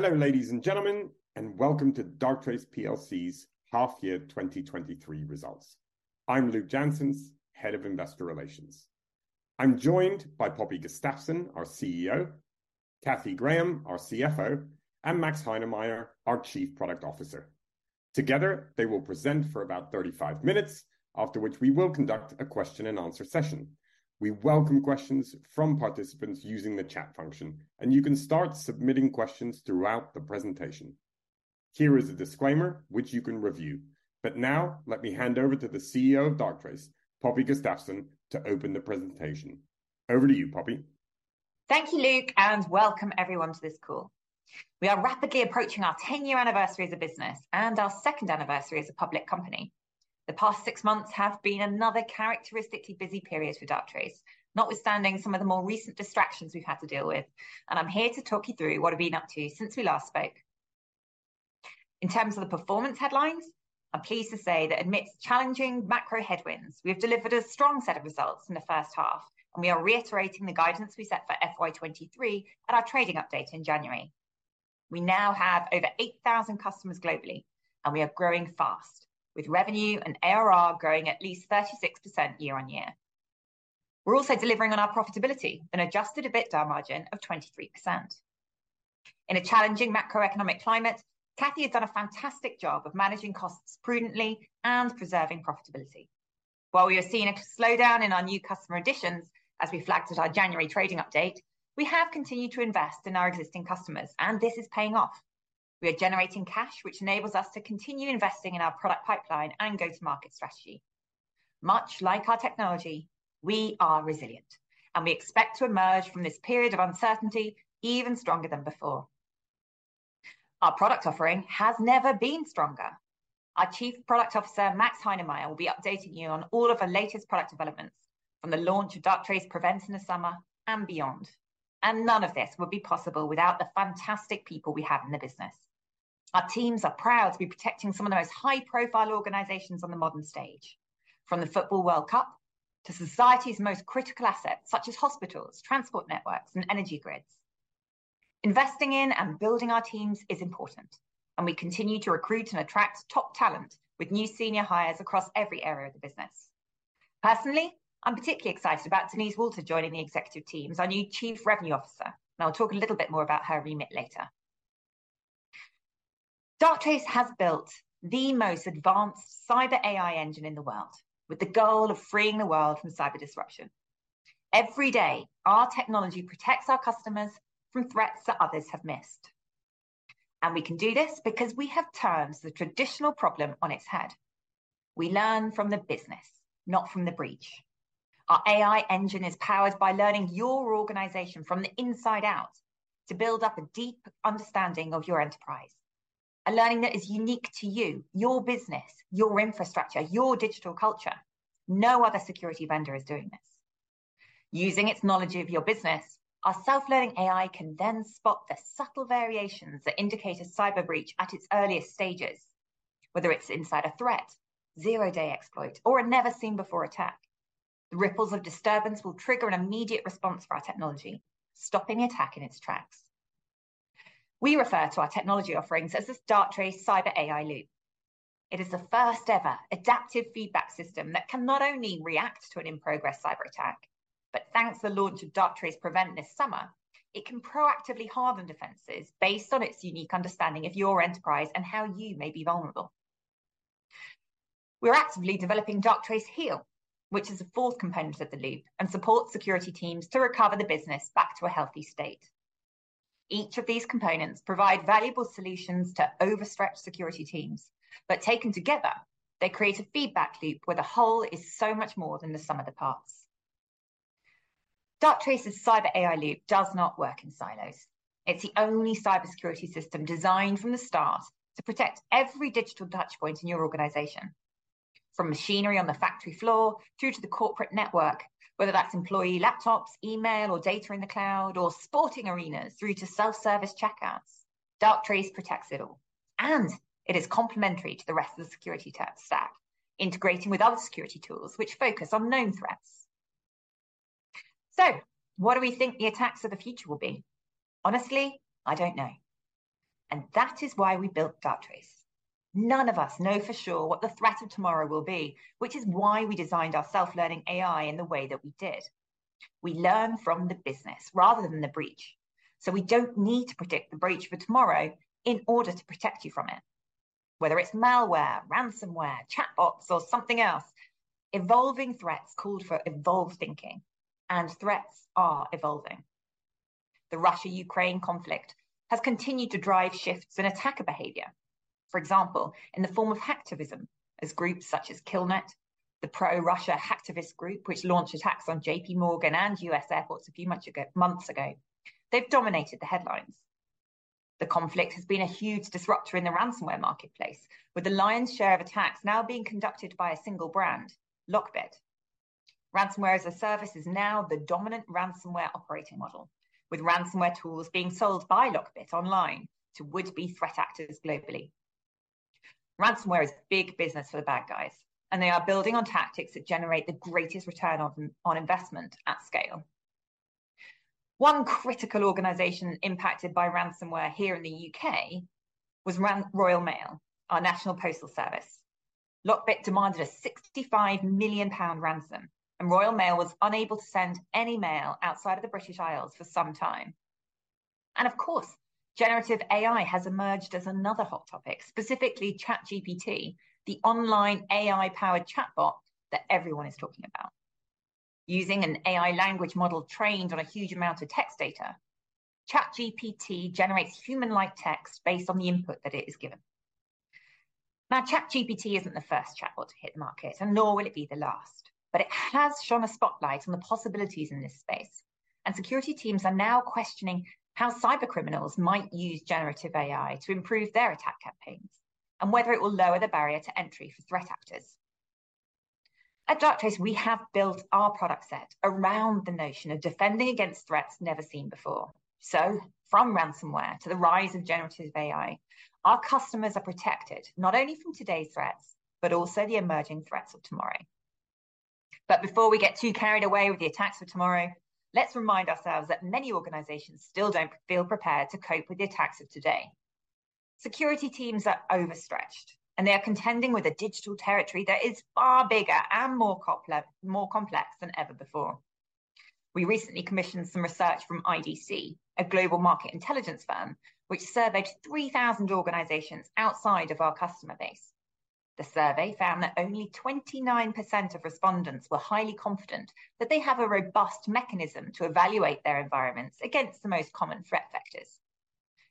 Hello, ladies and gentlemen, welcome to Darktrace plc's half-year 2023 results. I'm Luk Janssens, Head of Investor Relations. I'm joined by Poppy Gustafsson, our CEO; Cathy Graham, our CFO; and Max Heinemeyer, our Chief Product Officer. Together, they will present for about 35 minutes, after which we will conduct a question and answer session. We welcome questions from participants using the chat function. You can start submitting questions throughout the presentation. Here is a disclaimer which you can review. Now let me hand over to the CEO of Darktrace, Poppy Gustafsson, to open the presentation. Over to you, Poppy. Thank you, Luk, and welcome everyone to this call. We are rapidly approaching our 10-year anniversary as a business and our second anniversary as a public company. The past 6 months have been another characteristically busy period for Darktrace, notwithstanding some of the more recent distractions we've had to deal with, and I'm here to talk you through what we've been up to since we last spoke. In terms of the performance headlines, I'm pleased to say that amidst challenging macro headwinds, we have delivered a strong set of results in the first half, and we are reiterating the guidance we set for FY23 at our trading update in January. We now have over 8,000 customers globally, and we are growing fast, with revenue and ARR growing at least 36% year-on-year. We're also delivering on our profitability, an adjusted EBITDA margin of 23%. In a challenging macroeconomic climate, Cathy has done a fantastic job of managing costs prudently and preserving profitability. While we are seeing a slowdown in our new customer additions, as we flagged at our January trading update, we have continued to invest in our existing customers. This is paying off. We are generating cash, which enables us to continue investing in our product pipeline and go-to-market strategy. Much like our technology, we are resilient. We expect to emerge from this period of uncertainty even stronger than before. Our product offering has never been stronger. Our Chief Product Officer, Max Heinemeyer, will be updating you on all of the latest product developments, from the launch of Darktrace PREVENT in the summer and beyond. None of this would be possible without the fantastic people we have in the business. Our teams are proud to be protecting some of the most high-profile organizations on the modern stage, from the football World Cup to society's most critical assets, such as hospitals, transport networks, and energy grids. Investing in and building our teams is important. We continue to recruit and attract top talent with new senior hires across every area of the business. Personally, I'm particularly excited about Denise Walter joining the executive team as our new chief revenue officer, and I'll talk a little bit more about her remit later. Darktrace has built the most advanced cyber AI engine in the world with the goal of freeing the world from cyber disruption. Every day, our technology protects our customers from threats that others have missed, and we can do this because we have turned the traditional problem on its head. We learn from the business, not from the breach. Our AI engine is powered by learning your organization from the inside out to build up a deep understanding of your enterprise, a learning that is unique to you, your business, your infrastructure, your digital culture. No other security vendor is doing this. Using its knowledge of your business, our Self-Learning AI can then spot the subtle variations that indicate a cyber breach at its earliest stages, whether it's insider threat, zero-day exploit, or a never-seen-before attack. The ripples of disturbance will trigger an immediate response for our technology, stopping the attack in its tracks. We refer to our technology offerings as the Darktrace Cyber AI Loop. It is the first ever adaptive feedback system that can not only react to an in-progress cyberattack, but thanks to the launch of Darktrace PREVENT this summer, it can proactively harden defenses based on its unique understanding of your enterprise and how you may be vulnerable. We're actively developing Darktrace HEAL, which is the fourth component of the loop, and supports security teams to recover the business back to a healthy state. Each of these components provide valuable solutions to overstretched security teams, but taken together, they create a feedback loop where the whole is so much more than the sum of the parts. Darktrace's Cyber AI Loop does not work in silos. It's the only cybersecurity system designed from the start to protect every digital touchpoint in your organization, from machinery on the factory floor through to the corporate network, whether that's employee laptops, email, or data in the cloud, or sporting arenas through to self-service checkouts. Darktrace protects it all. It is complementary to the rest of the security stack, integrating with other security tools which focus on known threats. What do we think the attacks of the future will be? Honestly, I don't know. That is why we built Darktrace. None of us know for sure what the threat of tomorrow will be, which is why we designed our Self-Learning AI in the way that we did. We learn from the business rather than the breach. We don't need to predict the breach for tomorrow in order to protect you from it. Whether it's malware, ransomware, chatbots, or something else, evolving threats call for evolved thinking, and threats are evolving. The Russia-Ukraine conflict has continued to drive shifts in attacker behavior. For example, in the form of hacktivism, as groups such as Killnet, the pro-Russia hacktivist group which launched attacks on JPMorgan and U.S. airports a few months ago. They've dominated the headlines. The conflict has been a huge disruptor in the ransomware marketplace, with the lion's share of attacks now being conducted by a single brand, LockBit. Ransomware-as-a-service is now the dominant ransomware operating model, with ransomware tools being sold by LockBit online to would-be threat actors globally. Ransomware is big business for the bad guys, and they are building on tactics that generate the greatest return on investment at scale. One critical organization impacted by ransomware here in the U.K. was Royal Mail, our national postal service. LockBit demanded a £65 million ransom, Royal Mail was unable to send any mail outside of the British Isles for some time. Of course, generative AI has emerged as another hot topic, specifically ChatGPT, the online AI-powered chatbot that everyone is talking about. Using an AI language model trained on a huge amount of text data, ChatGPT generates human-like text based on the input that it is given. ChatGPT isn't the first chatbot to hit the market, and nor will it be the last, but it has shone a spotlight on the possibilities in this space, and security teams are now questioning how cybercriminals might use generative AI to improve their attack campaigns, and whether it will lower the barrier to entry for threat actors. At Darktrace, we have built our product set around the notion of defending against threats never seen before. From ransomware to the rise of generative AI, our customers are protected, not only from today's threats, but also the emerging threats of tomorrow. Before we get too carried away with the attacks of tomorrow, let's remind ourselves that many organizations still don't feel prepared to cope with the attacks of today. Security teams are overstretched, and they are contending with a digital territory that is far bigger and more complex than ever before. We recently commissioned some research from IDC, a global market intelligence firm, which surveyed 3,000 organizations outside of our customer base. The survey found that only 29% of respondents were highly confident that they have a robust mechanism to evaluate their environments against the most common threat vectors.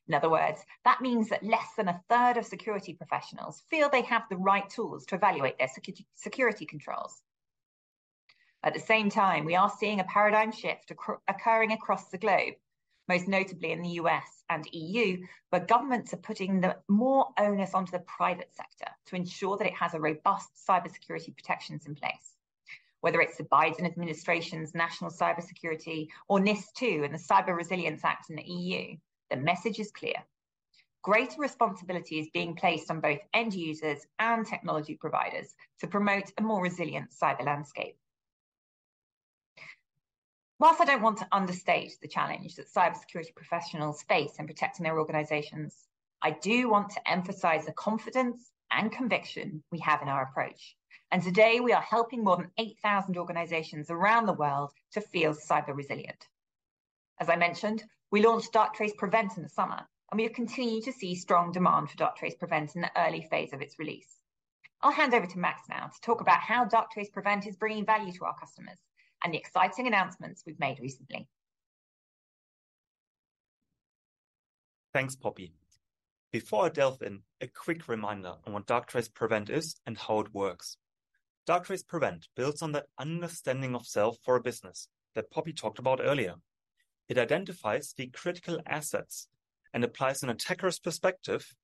In other words, that means that less than a third of security professionals feel they have the right tools to evaluate their security controls. At the same time, we are seeing a paradigm shift occurring across the globe, most notably in the U.S. and EU, where governments are putting more onus onto the private sector to ensure that it has robust cybersecurity protections in place. Whether it's the Biden administration's national cybersecurity or NIS2 and the Cyber Resilience Act in the EU, the message is clear: greater responsibility is being placed on both end users and technology providers to promote a more resilient cyber landscape. Whilst I don't want to understate the challenge that cybersecurity professionals face in protecting their organizations, I do want to emphasize the confidence and conviction we have in our approach. Today we are helping more than 8,000 organizations around the world to feel cyber resilient. As I mentioned, we launched Darktrace PREVENT in the summer. We have continued to see strong demand for Darktrace PREVENT in the early phase of its release. I'll hand over to Max now to talk about how Darktrace PREVENT is bringing value to our customers and the exciting announcements we've made recently. Thanks, Poppy. Before I delve in, a quick reminder on what Darktrace PREVENT is and how it works. Darktrace PREVENT builds on that understanding of self for a business that Poppy talked about earlier. It identifies the critical assets and applies an attacker's perspective,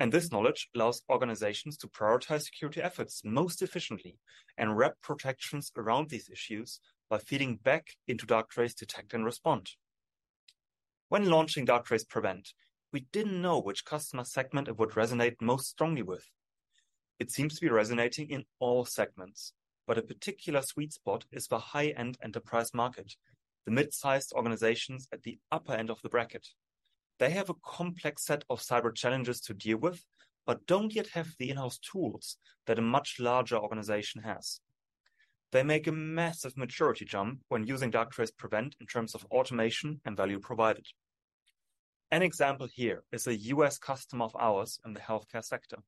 and this knowledge allows organizations to prioritize security efforts most efficiently and wrap protections around these issues by feeding back into Darktrace DETECT and RESPOND. When launching Darktrace PREVENT, we didn't know which customer segment it would resonate most strongly with. It seems to be resonating in all segments, but a particular sweet spot is the high-end enterprise market, the mid-sized organizations at the upper end of the bracket. They have a complex set of cyber challenges to deal with but don't yet have the in-house tools that a much larger organization has. They make a massive maturity jump when using Darktrace PREVENT in terms of automation and value provided. An example here is a U.S. customer of ours in the healthcare sector.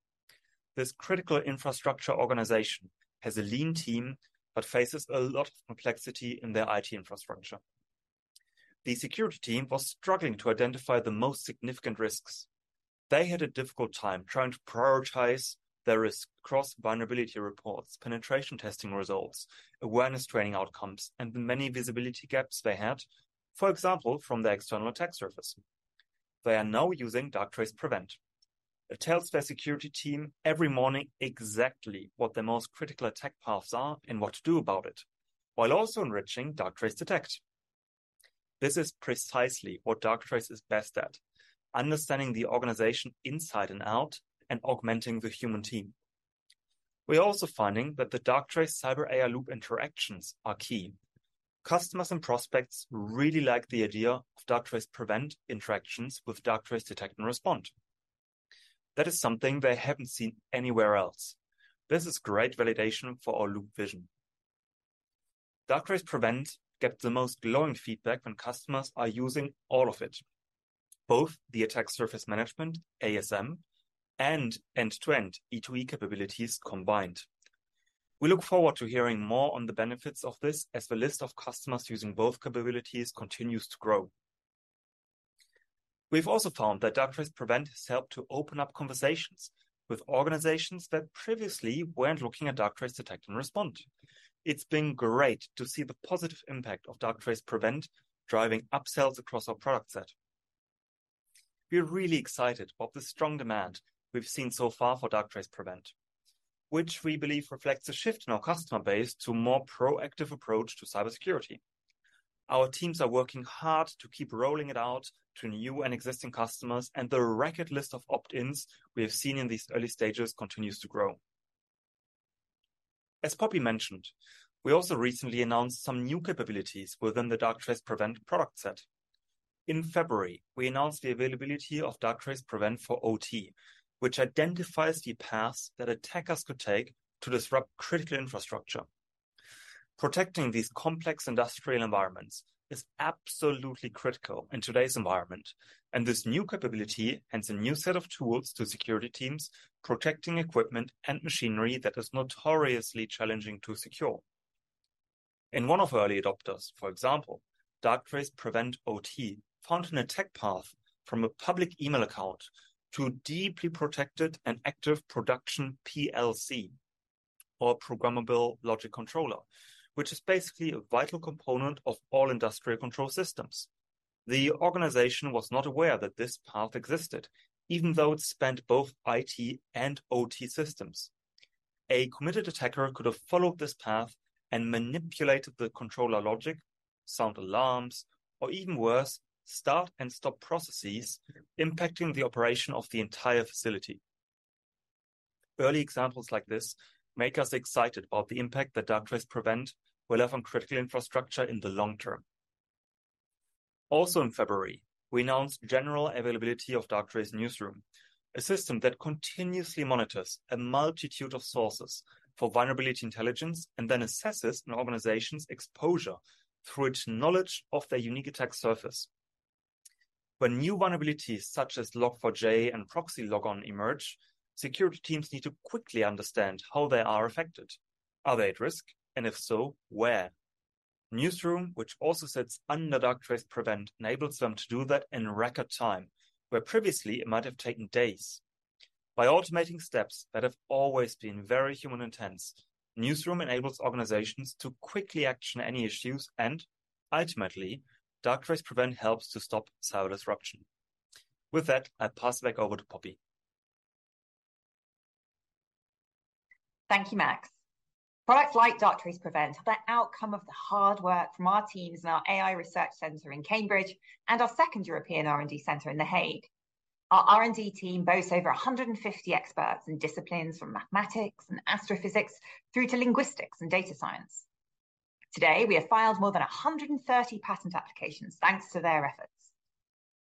This critical infrastructure organization has a lean team but faces a lot of complexity in their IT infrastructure. The security team was struggling to identify the most significant risks. They had a difficult time trying to prioritize their risks across vulnerability reports, penetration testing results, awareness training outcomes, and the many visibility gaps they had, for example, from their external attack surface. They are now using Darktrace PREVENT. It tells their security team every morning exactly what their most critical attack paths are and what to do about it, while also enriching Darktrace DETECT. This is precisely what Darktrace is best at, understanding the organization inside and out and augmenting the human team. We're also finding that the Darktrace Cyber AI Loop interactions are key. Customers and prospects really like the idea of Darktrace PREVENT interactions with Darktrace DETECT and RESPOND. That is something they haven't seen anywhere else. This is great validation for our loop vision. Darktrace PREVENT gets the most glowing feedback when customers are using all of it, both the attack surface management, ASM, and end-to-end, E2E, capabilities combined. We look forward to hearing more on the benefits of this as the list of customers using both capabilities continues to grow. We've also found that Darktrace PREVENT has helped to open up conversations with organizations that previously weren't looking at Darktrace DETECT and RESPOND. It's been great to see the positive impact of Darktrace PREVENT driving upsells across our product set. We're really excited about the strong demand we've seen so far for Darktrace PREVENT, which we believe reflects a shift in our customer base to a more proactive approach to cybersecurity. Our teams are working hard to keep rolling it out to new and existing customers. The record list of opt-ins we have seen in these early stages continues to grow. As Poppy mentioned, we also recently announced some new capabilities within the Darktrace PREVENT product set. In February, we announced the availability of Darktrace PREVENT/OT, which identifies the paths that attackers could take to disrupt critical infrastructure. Protecting these complex industrial environments is absolutely critical in today's environment. This new capability adds a new set of tools to security teams protecting equipment and machinery that is notoriously challenging to secure. In one of our early adopters, for example, Darktrace PREVENT/OT found an attack path from a public email account to deeply protected and active production PLC, or programmable logic controller, which is basically a vital component of all industrial control systems. The organization was not aware that this path existed, even though it spanned both IT and OT systems. A committed attacker could have followed this path and manipulated the controller logic, set off alarms, or even worse, start and stop processes impacting the operation of the entire facility. In February, we announced general availability of Darktrace Newsroom, a system that continuously monitors a multitude of sources for vulnerability intelligence and then assesses an organization's exposure through its knowledge of their unique attack surface. When new vulnerabilities such as Log4j and ProxyLogon emerge, security teams need to quickly understand how they are affected. Are they at risk? If so, where? Newsroom, which also sits under Darktrace PREVENT, enables them to do that in record time, where previously it might have taken days. By automating steps that have always been very human-intense, Newsroom enables organizations to quickly action any issues. Ultimately, Darktrace PREVENT helps to stop cyber disruption. With that, I pass it back over to Poppy. Thank you, Max. Products like Darktrace PREVENT are the outcome of the hard work from our teams in our AI research center in Cambridge and our second European R&D center in The Hague. Our R&D team boasts over 150 experts in disciplines from mathematics and astrophysics through to linguistics and data science. Today, we have filed more than 130 patent applications, thanks to their efforts.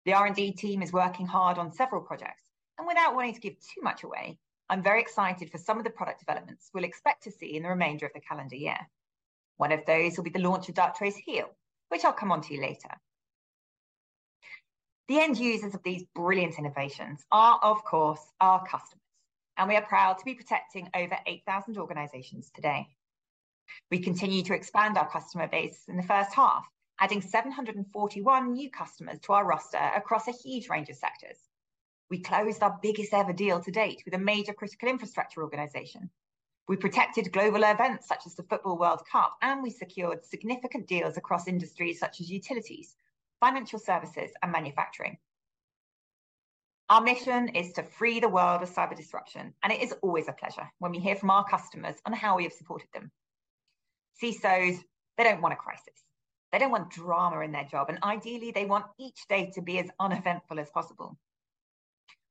The R&D team is working hard on several projects, and without wanting to give too much away, I'm very excited for some of the product developments we'll expect to see in the remainder of the calendar year. One of those will be the launch of Darktrace HEAL, which I'll come onto later. The end users of these brilliant innovations are, of course, our customers, and we are proud to be protecting over 8,000 organizations today. We continue to expand our customer base in the first half, adding 741 new customers to our roster across a huge range of sectors. We closed our biggest ever deal to date with a major critical infrastructure organization. We protected global events such as the FIFA World Cup. We secured significant deals across industries such as utilities, financial services, and manufacturing. Our mission is to free the world of cyber disruption. It is always a pleasure when we hear from our customers on how we have supported them. CISOs, they don't want a crisis. They don't want drama in their job. Ideally, they want each day to be as uneventful as possible.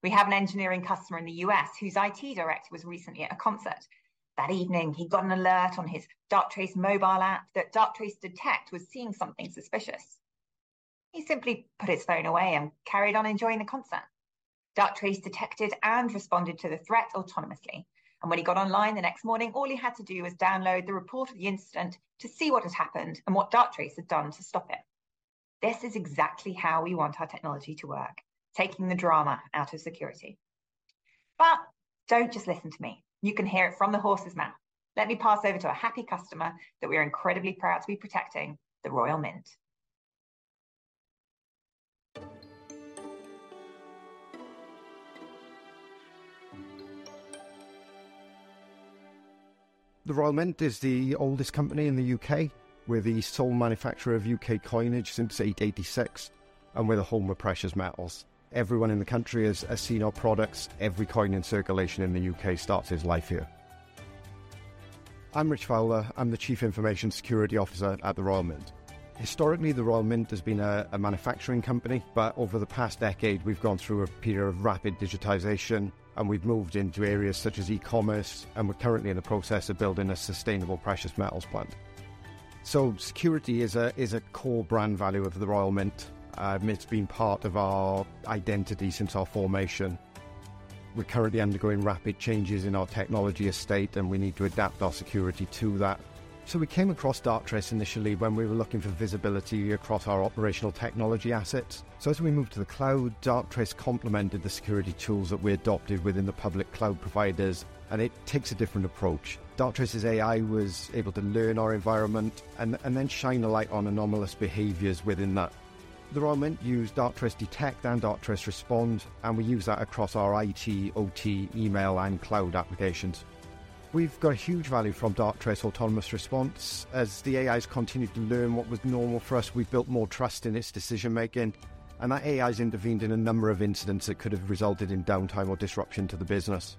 We have an engineering customer in the U.S. whose IT director was recently at a concert. That evening, he got an alert on his Darktrace mobile app that Darktrace DETECT was seeing something suspicious. He simply put his phone away and carried on enjoying the concert. Darktrace detected and responded to the threat autonomously, and when he got online the next morning, all he had to do was download the report of the incident to see what had happened and what Darktrace had done to stop it. This is exactly how we want our technology to work, taking the drama out of security. Don't just listen to me. You can hear it from the horse's mouth. Let me pass over to a happy customer that we are incredibly proud to be protecting, The Royal Mint. The Royal Mint is the oldest company in the U.K. We're the sole manufacturer of U.K. coinage since 1886, and we're the home of precious metals. Everyone in the country has seen our products. Every coin in circulation in the U.K. starts its life here. I'm Rich Fowler. I'm the Chief Information Security Officer at The Royal Mint. Historically, The Royal Mint has been a manufacturing company, but over the past decade we've gone through a period of rapid digitization, and we've moved into areas such as e-commerce, and we're currently in the process of building a sustainable precious metals plant. Security is a core brand value of The Royal Mint. It's been part of our identity since our formation. We're currently undergoing rapid changes in our technology estate, and we need to adapt our security to that. We came across Darktrace initially when we were looking for visibility across our operational technology assets. As we moved to the cloud, Darktrace complemented the security tools that we adopted within the public cloud providers, and it takes a different approach. Darktrace's AI was able to learn our environment and then shine a light on anomalous behaviors within that. The Royal Mint use Darktrace DETECT and Darktrace RESPOND, and we use that across our IT, OT, email, and cloud applications. We've got huge value from Darktrace Autonomous Response. As the AI's continued to learn what was normal for us, we've built more trust in its decision-making, and that AI's intervened in a number of incidents that could have resulted in downtime or disruption to the business.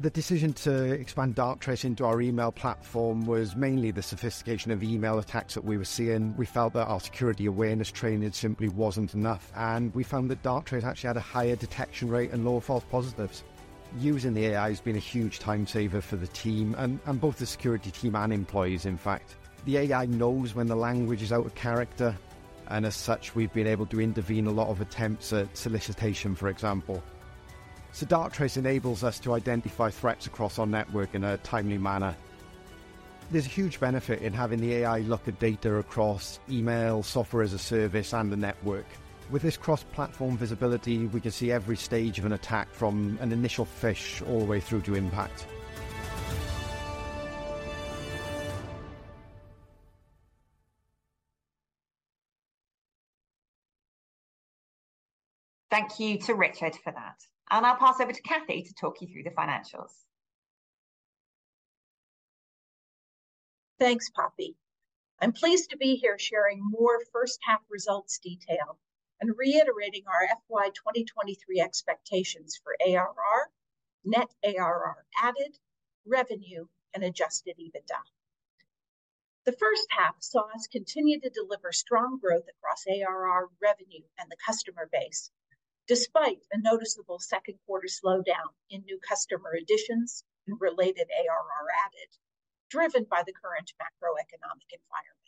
The decision to expand Darktrace into our email platform was mainly the sophistication of email attacks that we were seeing. We felt that our security awareness training simply wasn't enough, and we found that Darktrace actually had a higher detection rate and lower false positives. Using the AI has been a huge time saver for the team and both the security team and employees, in fact. The AI knows when the language is out of character, and as such, we've been able to intervene a lot of attempts at solicitation, for example. Darktrace enables us to identify threats across our network in a timely manner. There's a huge benefit in having the AI look at data across email, software as a service, and the network. With this cross-platform visibility, we can see every stage of an attack from an initial phish all the way through to impact. Thank you to Rich for that, and I'll pass over to Cathy to talk you through the financials. Thanks, Poppy. I'm pleased to be here sharing more first half results detail and reiterating our FY 2023 expectations for ARR, net ARR added, revenue, and adjusted EBITDA. The first half saw us continue to deliver strong growth across ARR revenue and the customer base, despite a noticeable second quarter slowdown in new customer additions and related ARR added, driven by the current macroeconomic environment.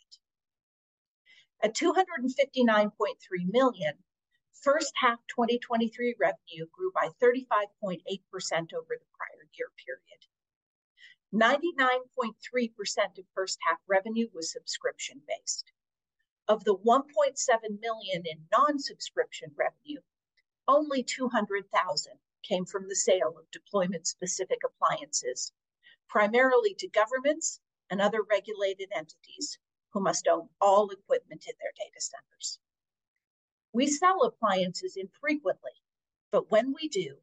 At $259.3 million, first half 2023 revenue grew by 35.8% over the prior year period. 99.3% of first half revenue was subscription-based. Of the $1.7 million in non-subscription revenue, only $200,000 came from the sale of deployment-specific appliances, primarily to governments and other regulated entities who must own all equipment in their data centers. We sell appliances infrequently, but when we do,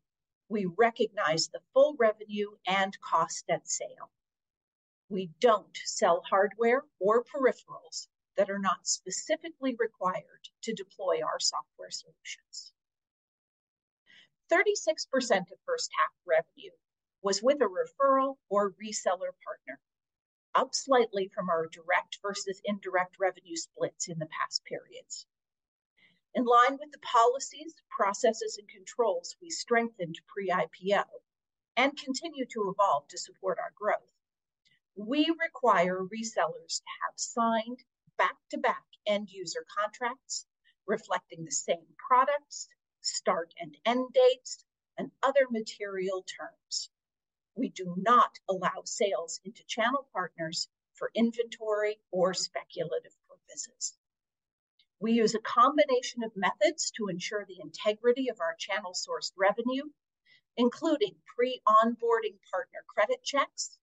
we recognize the full revenue and cost at sale. We don't sell hardware or peripherals that are not specifically required to deploy our software solutions. 36% of first half revenue was with a referral or reseller partner, up slightly from our direct versus indirect revenue splits in the past periods. In line with the policies, processes, and controls we strengthened pre-IPO, and continue to evolve to support our growth. We require resellers to have signed back-to-back end user contracts reflecting the same products, start and end dates, and other material terms. We do not allow sales into channel partners for inventory or speculative purposes. We use a combination of methods to ensure the integrity of our channel sourced revenue, including pre-onboarding partner credit checks,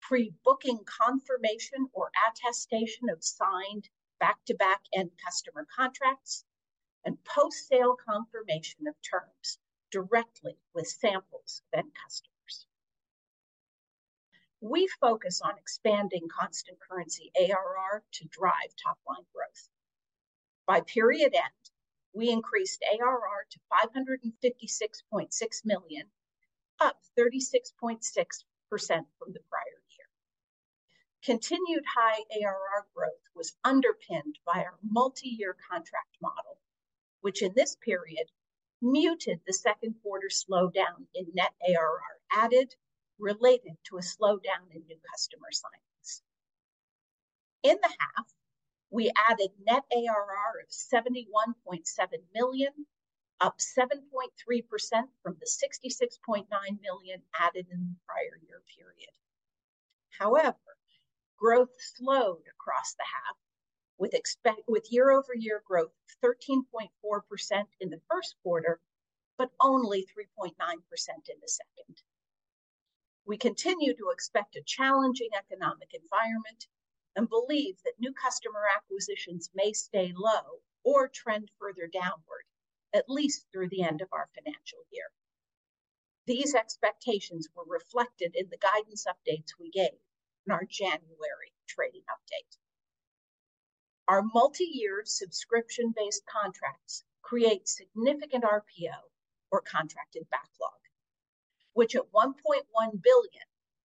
pre-booking confirmation or attestation of signed back-to-back end customer contracts, and post-sale confirmation of terms directly with samples of end customers. We focus on expanding constant currency ARR to drive top-line growth. By period end, we increased ARR to $556.6 million, up 36.6% from the prior year. Continued high ARR growth was underpinned by our multi-year contract model, which in this period muted the second quarter slowdown in net ARR added related to a slowdown in new customer signings. In the half, we added net ARR of $71.7 million, up 7.3% from the $66.9 million added in the prior year period. Growth slowed across the half with year-over-year growth 13.4% in the first quarter, but only 3.9% in the second. We continue to expect a challenging economic environment and believe that new customer acquisitions may stay low or trend further downward, at least through the end of our financial year. These expectations were reflected in the guidance updates we gave in our January trading update. Our multi-year subscription-based contracts create significant RPO or contracted backlog, which at $1.1 billion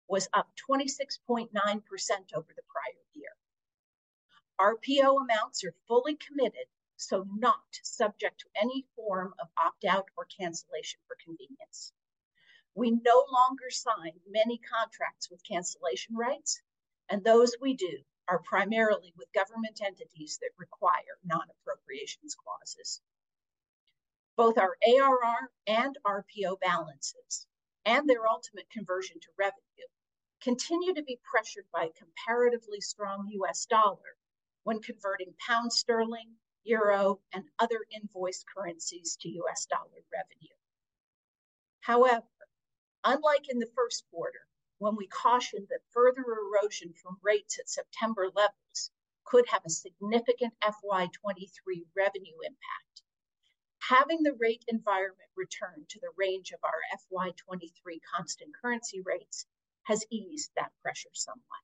was up 26.9% over the prior year. RPO amounts are fully committed, not subject to any form of opt-out or cancellation for convenience. We no longer sign many contracts with cancellation rights, those we do are primarily with government entities that require non-appropriations clauses. Both our ARR and RPO balances and their ultimate conversion to revenue continue to be pressured by a comparatively strong U.S. dollar when converting pound sterling, euro, and other invoice currencies to U.S. dollar revenue. However, unlike in the first quarter, when we cautioned that further erosion from rates at September levels could have a significant FY 2023 revenue impact, having the rate environment return to the range of our FY 2023 constant currency rates has eased that pressure somewhat.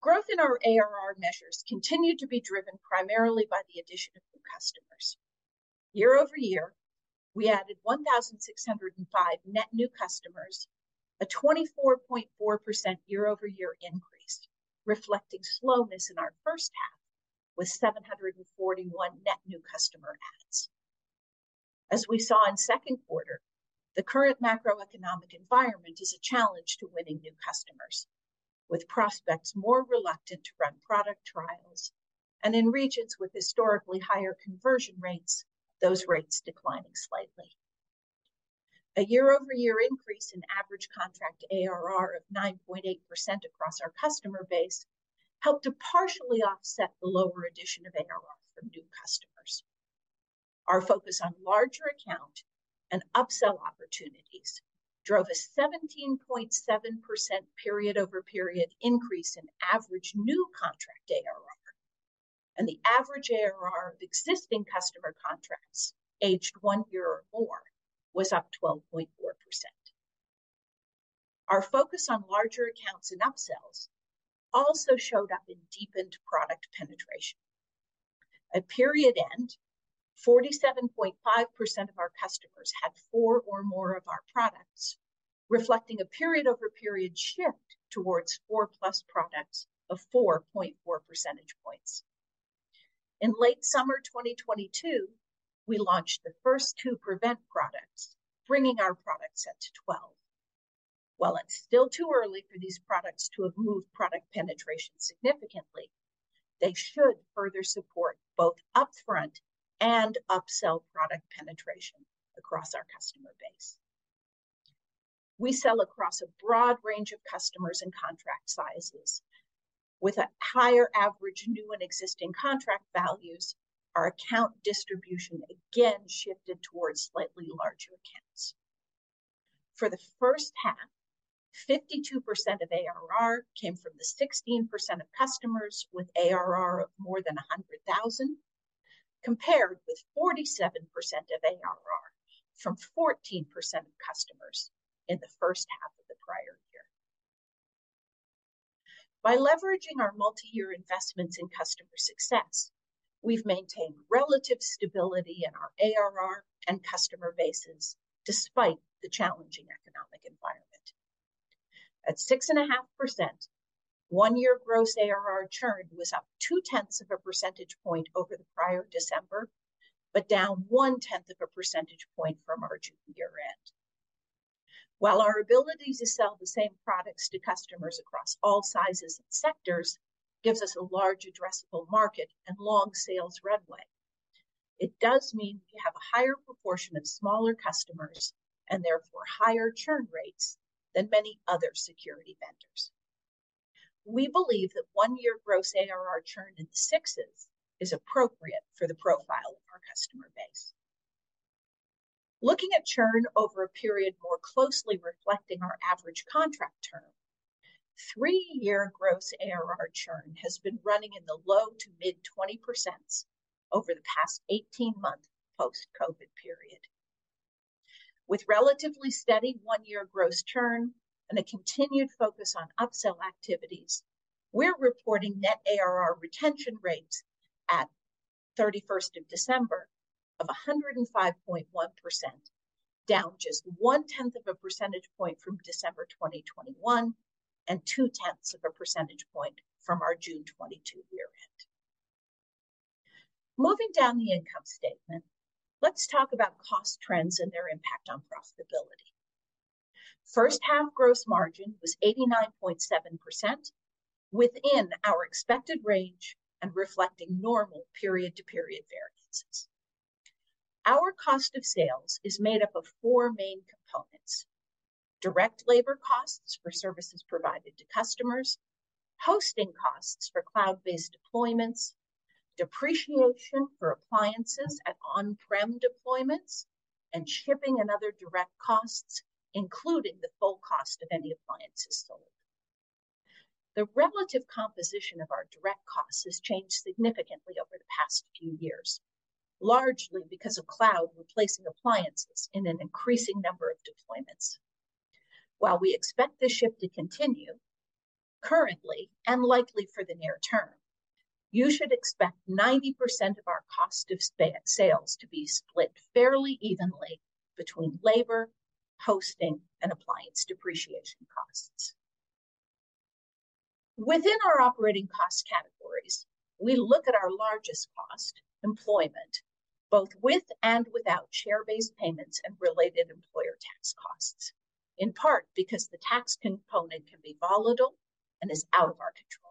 Growth in our ARR measures continued to be driven primarily by the addition of new customers. Year-over-year, we added 1,605 net new customers, a 24.4% year-over-year increase, reflecting slowness in our first half with 741 net new customer adds. As we saw in second quarter, the current macroeconomic environment is a challenge to winning new customers, with prospects more reluctant to run product trials, and in regions with historically higher conversion rates, those rates declining slightly. A year-over-year increase in average contract ARR of 9.8% across our customer base helped to partially offset the lower addition of ARR from new customers. Our focus on larger account and upsell opportunities drove a 17.7% period-over-period increase in average new contract ARR. The average ARR of existing customer contracts aged one year or more was up 12.4%. Our focus on larger accounts and upsells also showed up in deepened product penetration. At period end, 47.5% of our customers had 4 or more of our products, reflecting a period over period shift towards 4+ products of 4.4 percentage points. In late summer 2022, we launched the first 2 PREVENT products, bringing our product set to 12. While it's still too early for these products to have moved product penetration significantly, they should further support both upfront and upsell product penetration across our customer base. We sell across a broad range of customers and contract sizes. With a higher average new and existing contract values, our account distribution again shifted towards slightly larger accounts. For the first half, 52% of ARR came from the 16% of customers with ARR of more than $100,000, compared with 47% of ARR from 14% of customers in the first half of the prior year. By leveraging our multi-year investments in customer success, we've maintained relative stability in our ARR and customer bases despite the challenging economic environment. At 6.5%, one year gross ARR churn was up 0.2 percentage point over the prior December, but down 0.1 percentage point from our June year-end. While our ability to sell the same products to customers across all sizes and sectors gives us a large addressable market and long sales runway, it does mean we have a higher proportion of smaller customers and therefore higher churn rates than many other security vendors. We believe that one year gross ARR churn in the sixes is appropriate for the profile of our customer base. Looking at churn over a period more closely reflecting our average contract term, three-year gross ARR churn has been running in the low to mid 20% over the past 18-month post-COVID period. With relatively steady one-year gross churn and a continued focus on upsell activities, we're reporting net ARR retention rates at 31st of December of 105.1%, down just one-tenth of a percentage point from December 2021, and two-tenths of a percentage point from our June 2022 year-end. Moving down the income statement, let's talk about cost trends and their impact on profitability. First half gross margin was 89.7% within our expected range and reflecting normal period to period variances. Our cost of sales is made up of four main components: direct labor costs for services provided to customers, hosting costs for cloud-based deployments, depreciation for appliances at on-prem deployments, and shipping and other direct costs, including the full cost of any appliances sold. The relative composition of our direct costs has changed significantly over the past few years, largely because of cloud replacing appliances in an increasing number of deployments. While we expect this shift to continue, currently and likely for the near term, you should expect 90% of our cost of sales to be split fairly evenly between labor, hosting, and appliance depreciation costs. Within our operating cost categories, we look at our largest cost, employment, both with and without share-based payments and related employer tax costs, in part because the tax component can be volatile and is out of our control.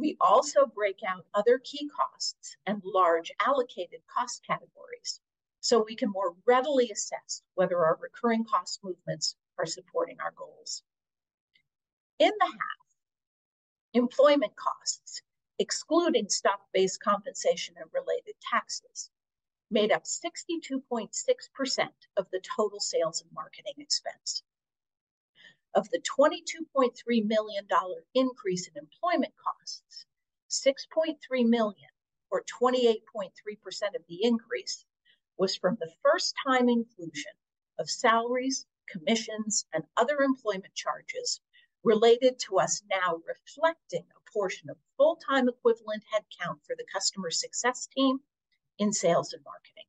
We also break out other key costs and large allocated cost categories so we can more readily assess whether our recurring cost movements are supporting our goals. In the half, employment costs, excluding stock-based compensation and related taxes, made up 62.6% of the total sales and marketing expense. Of the $22.3 million increase in employment costs, $6.3 million, or 28.3% of the increase, was from the first time inclusion of salaries, commissions, and other employment charges related to us now reflecting a portion of full-time equivalent head count for the customer success team in sales and marketing.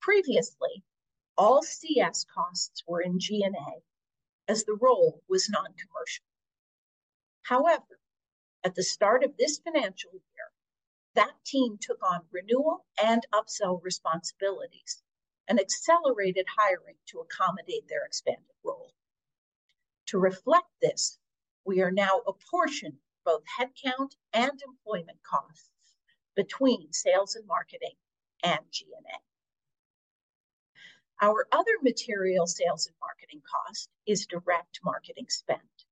Previously, all CS costs were in G&A as the role was non-commercial. However, at the start of this financial year, that team took on renewal and upsell responsibilities and accelerated hiring to accommodate their expanded role. To reflect this, we are now apportion both headcount and employment costs between sales and marketing and G&A. Our other material sales and marketing cost is direct marketing spend.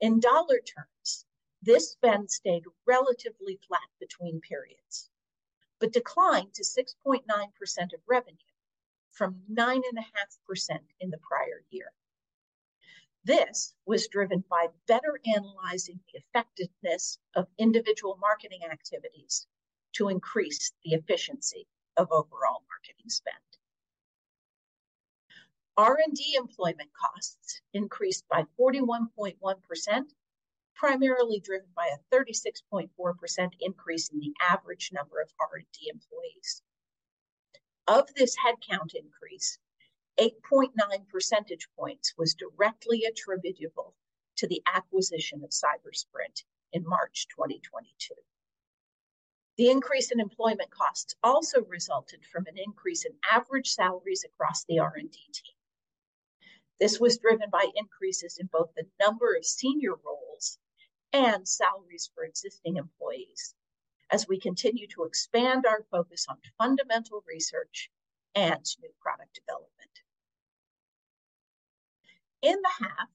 In dollar terms, this spend stayed relatively flat between periods, but declined to 6.9% of revenue from 9.5% in the prior year. This was driven by better analyzing the effectiveness of individual marketing activities to increase the efficiency of overall marketing spend. R&D employment costs increased by 41.1%, primarily driven by a 36.4% increase in the average number of R&D employees. Of this headcount increase, 8.9 percentage points was directly attributable to the acquisition of Cybersprint in March 2022. The increase in employment costs also resulted from an increase in average salaries across the R&D team. This was driven by increases in both the number of senior roles and salaries for existing employees as we continue to expand our focus on fundamental research and new product development. In the half,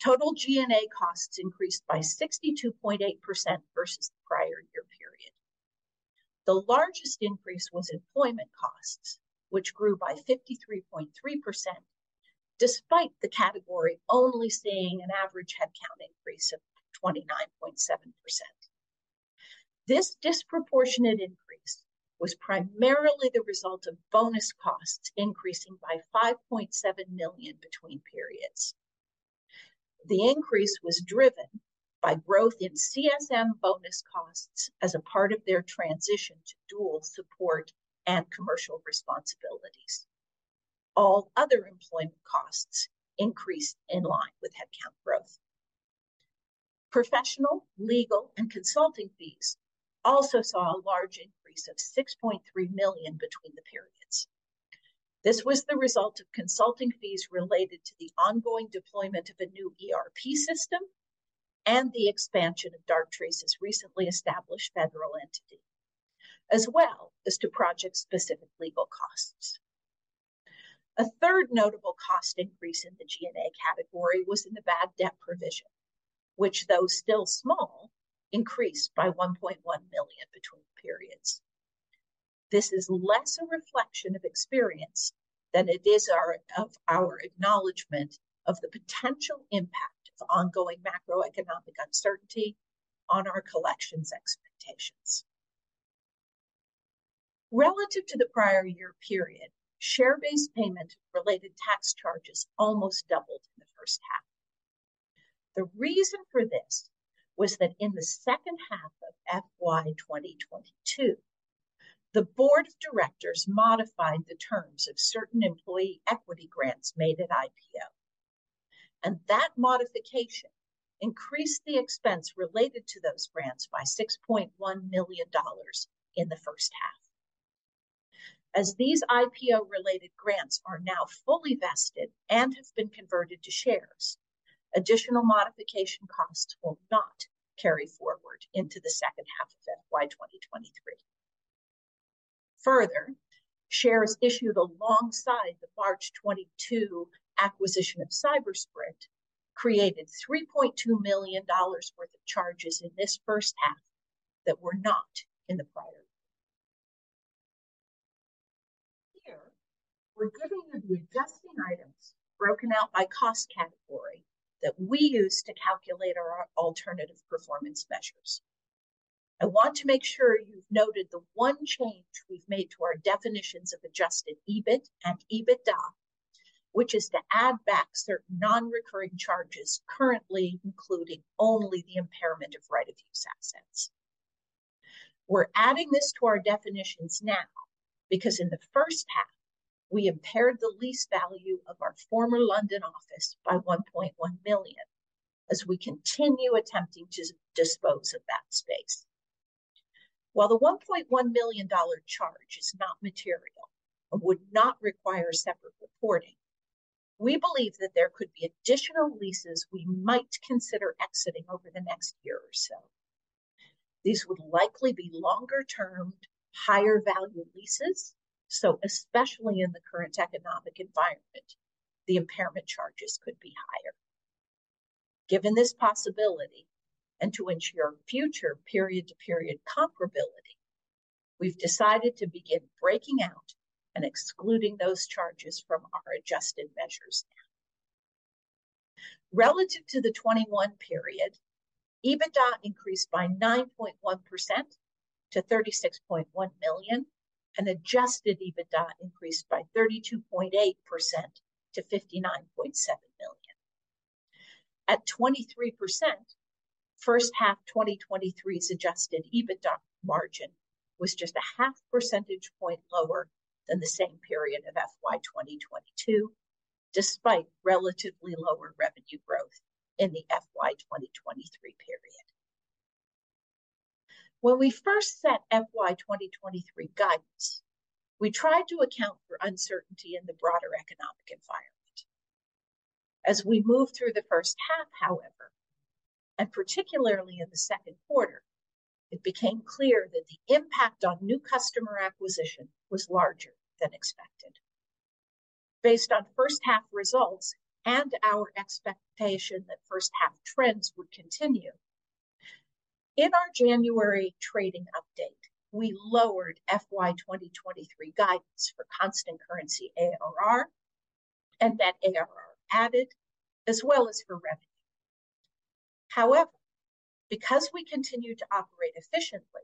total G&A costs increased by 62.8% versus the prior year period. The largest increase was employment costs, which grew by 53.3% despite the category only seeing an average headcount increase of 29.7%. This disproportionate increase was primarily the result of bonus costs increasing by $5.7 million between periods. The increase was driven by growth in CSM bonus costs as a part of their transition to dual support and commercial responsibilities. All other employment costs increased in line with headcount growth. Professional, legal, and consulting fees also saw a large increase of $6.3 million between the periods. This was the result of consulting fees related to the ongoing deployment of a new ERP system and the expansion of Darktrace's recently established federal entity, as well as to project-specific legal costs. A third notable cost increase in the G&A category was in the bad debt provision, which though still small, increased by $1.1 million between periods. This is less a reflection of experience than it is of our acknowledgment of the potential impact of ongoing macroeconomic uncertainty on our collections expectations. Relative to the prior year period, share-based payment related tax charges almost doubled in the first half. The reason for this was that in the second half of FY 2022, the board of directors modified the terms of certain employee equity grants made at IPO. That modification increased the expense related to those grants by $6.1 million in the first half. As these IPO-related grants are now fully vested and have been converted to shares, additional modification costs will not carry forward into the second half of FY 2023. Further, shares issued alongside the March 22 acquisition of Cybersprint created $3.2 million worth of charges in this first half that were not in the prior. Here, we're giving you the adjusting items broken out by cost category that we use to calculate our alternative performance measures. I want to make sure you've noted the 1 change we've made to our definitions of adjusted EBIT and EBITDA, which is to add back certain non-recurring charges currently including only the impairment of right of use assets. We're adding this to our definitions now because in the first half, we impaired the lease value of our former London office by $1.1 million as we continue attempting to dispose of that space. While the $1.1 million charge is not material and would not require separate reporting, we believe that there could be additional leases we might consider exiting over the next year or so. These would likely be longer-termed, higher-value leases, so especially in the current economic environment, the impairment charges could be higher. Given this possibility, and to ensure future period-to-period comparability, we've decided to begin breaking out and excluding those charges from our adjusted measures now. Relative to the '21 period, EBITDA increased by 9.1% to $36.1 million, and adjusted EBITDA increased by 32.8% to $59.7 million. At 23%, first half 2023's adjusted EBITDA margin was just a half percentage point lower than the same period of FY 2022, despite relatively lower revenue growth in the FY 2023 period. When we first set FY 2023 guidance, we tried to account for uncertainty in the broader economic environment. As we moved through the first half, however, and particularly in the second quarter, it became clear that the impact on new customer acquisition was larger than expected. Based on first half results and our expectation that first half trends would continue, in our January trading update, we lowered FY 2023 guidance for constant currency ARR and that ARR added as well as for revenue. However, because we continued to operate efficiently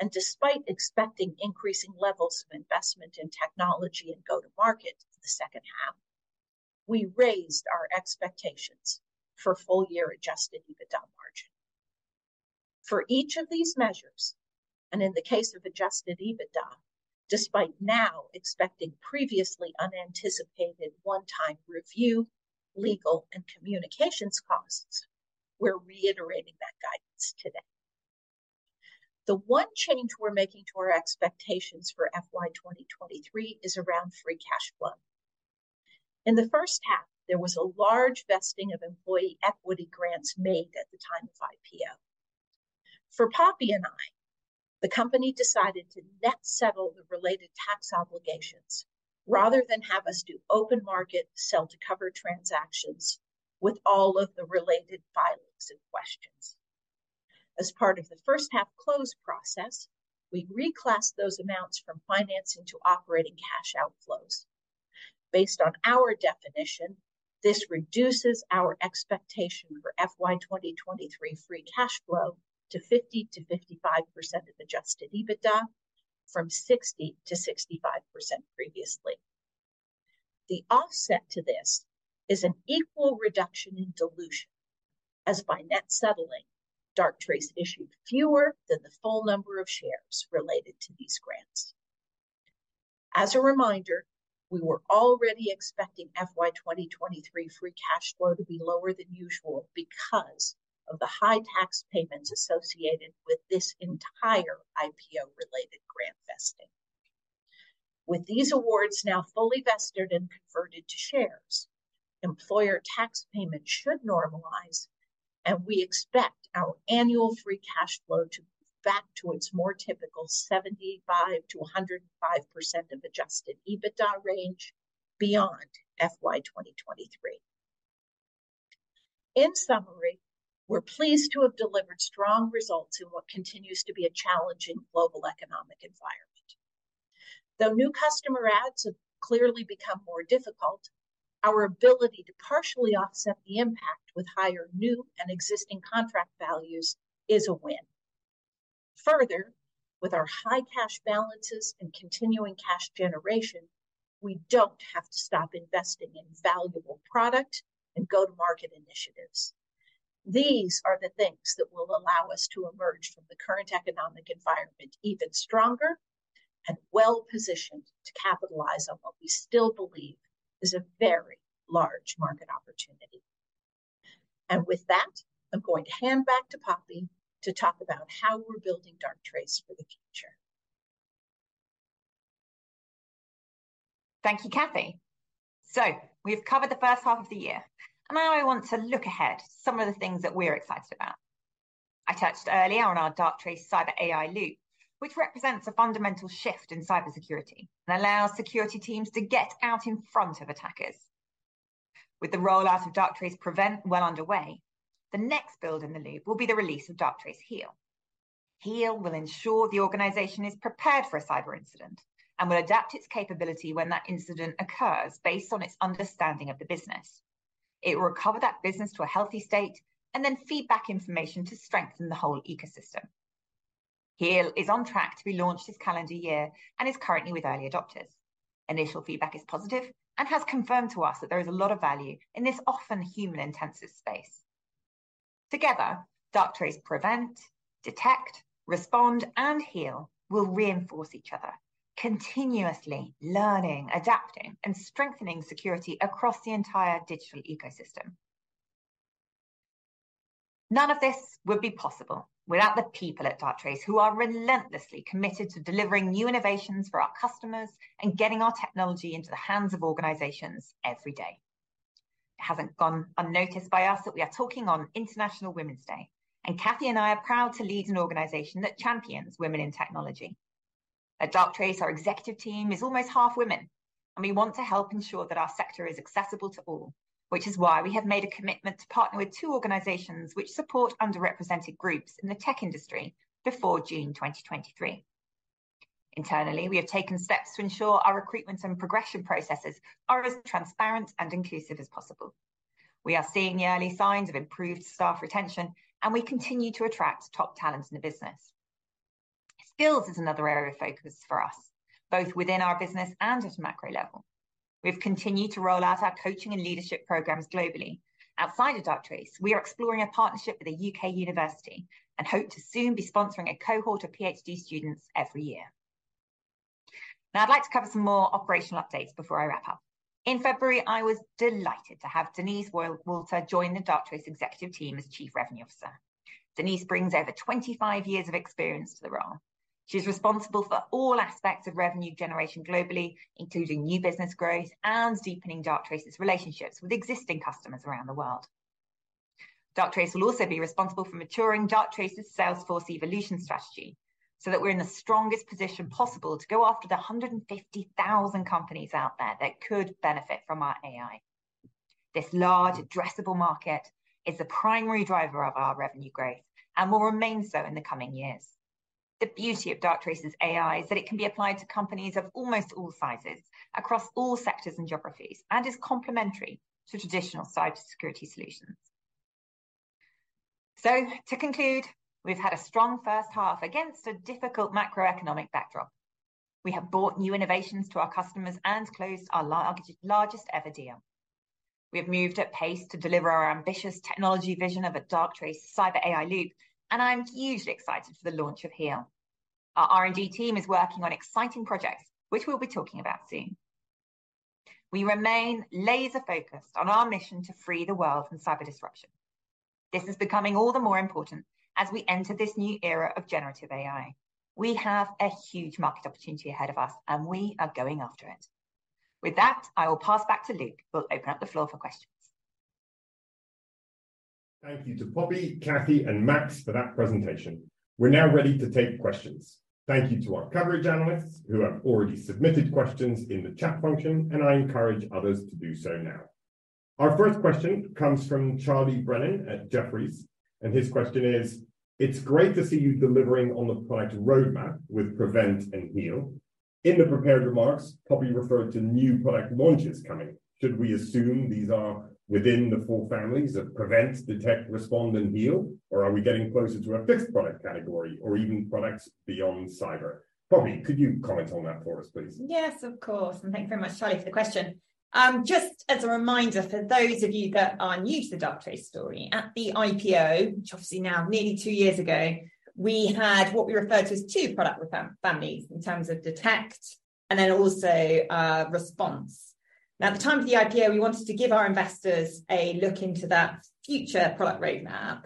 and despite expecting increasing levels of investment in technology and go-to-market in the second half, we raised our expectations for full-year adjusted EBITDA margin. For each of these measures, and in the case of adjusted EBITDA, despite now expecting previously unanticipated one-time review, legal, and communications costs, we're reiterating that guidance today. The one change we're making to our expectations for FY 2023 is around free cash flow. In the first half, there was a large vesting of employee equity grants made at the time of IPO. For Poppy and I, the company decided to net settle the related tax obligations rather than have us do open market sell to cover transactions with all of the related filings and questions. As part of the first half close process, we reclassed those amounts from financing to operating cash outflows. Based on our definition, this reduces our expectation for FY 2023 free cash flow to 50-55% of adjusted EBITDA from 60-65% previously. The offset to this is an equal reduction in dilution, as by net settling, Darktrace issued fewer than the full number of shares related to these grants. As a reminder, we were already expecting FY 2023 free cash flow to be lower than usual because of the high tax payments associated with this entire IPO-related grant vesting. With these awards now fully vested and converted to shares, employer tax payments should normalize, and we expect our annual free cash flow to move back to its more typical 75%-105% of adjusted EBITDA range beyond FY 2023. In summary, we're pleased to have delivered strong results in what continues to be a challenging global economic environment. Though new customer adds have clearly become more difficult, our ability to partially offset the impact with higher new and existing contract values is a win. Further, with our high cash balances and continuing cash generation, we don't have to stop investing in valuable product and go-to-market initiatives. These are the things that will allow us to emerge from the current economic environment even stronger and well-positioned to capitalize on what we still believe is a very large market opportunity. With that, I'm going to hand back to Poppy to talk about how we're building Darktrace for the future. Thank you, Cathy. We've covered the first half of the year, and now I want to look ahead at some of the things that we're excited about. I touched earlier on our Darktrace Cyber AI Loop, which represents a fundamental shift in cybersecurity and allows security teams to get out in front of attackers. With the rollout of Darktrace PREVENT well underway, the next build in the loop will be the release of Darktrace HEAL. HEAL will ensure the organization is prepared for a cyber incident and will adapt its capability when that incident occurs based on its understanding of the business. It will recover that business to a healthy state and then feed back information to strengthen the whole ecosystem. HEAL is on track to be launched this calendar year and is currently with early adopters. Initial feedback is positive and has confirmed to us that there is a lot of value in this often human-intensive space. Together, Darktrace PREVENT, DETECT, RESPOND, and HEAL will reinforce each other, continuously learning, adapting, and strengthening security across the entire digital ecosystem. None of this would be possible without the people at Darktrace who are relentlessly committed to delivering new innovations for our customers and getting our technology into the hands of organizations every day. It hasn't gone unnoticed by us that we are talking on International Women's Day, and Cathy and I are proud to lead an organization that champions women in technology. At Darktrace, our executive team is almost half women, and we want to help ensure that our sector is accessible to all, which is why we have made a commitment to partner with two organizations which support underrepresented groups in the tech industry before June 2023. Internally, we have taken steps to ensure our recruitment and progression processes are as transparent and inclusive as possible. We are seeing early signs of improved staff retention, and we continue to attract top talent in the business. Skills is another area of focus for us, both within our business and at a macro level. We've continued to roll out our coaching and leadership programs globally. Outside of Darktrace, we are exploring a partnership with a U.K. university, and hope to soon be sponsoring a cohort of PhD students every year. I'd like to cover some more operational updates before I wrap up. In February, I was delighted to have Denise Walter join the Darktrace executive team as chief revenue officer. Denise brings over 25 years of experience to the role. She's responsible for all aspects of revenue generation globally, including new business growth and deepening Darktrace's relationships with existing customers around the world. Darktrace will also be responsible for maturing Darktrace's Salesforce evolution strategy so that we're in the strongest position possible to go after the 150,000 companies out there that could benefit from our AI. This large addressable market is the primary driver of our revenue growth and will remain so in the coming years. The beauty of Darktrace's AI is that it can be applied to companies of almost all sizes across all sectors and geographies, and is complementary to traditional cybersecurity solutions. To conclude, we've had a strong first half against a difficult macroeconomic backdrop. We have brought new innovations to our customers and closed our largest ever deal. We have moved at pace to deliver our ambitious technology vision of a Darktrace Cyber AI Loop. I'm hugely excited for the launch of HEAL. Our R&D team is working on exciting projects which we'll be talking about soon. We remain laser-focused on our mission to free the world from cyber disruption. This is becoming all the more important as we enter this new era of generative AI. We have a huge market opportunity ahead of us, and we are going after it. With that, I will pass back to Luk, who will open up the floor for questions. Thank you to Poppy, Cathy, and Max for that presentation. We're now ready to take questions. Thank you to our coverage analysts who have already submitted questions in the chat function, and I encourage others to do so now. Our first question comes from Charlie Brennan at Jefferies, and his question is: It's great to see you delivering on the product roadmap with PREVENT and HEAL. In the prepared remarks, Poppy referred to new product launches coming. Should we assume these are within the four families of PREVENT, DETECT, RESPOND, and HEAL, or are we getting closer to a fifth product category or even products beyond cyber? Poppy, could you comment on that for us, please? Yes, of course. Thank you very much, Charlie, for the question. Just as a reminder for those of you that are new to the Darktrace story, at the IPO, which obviously now nearly two years ago, we had what we referred to as two product families in terms of DETECT and then also RESPOND. At the time of the IPO, we wanted to give our investors a look into that future product roadmap.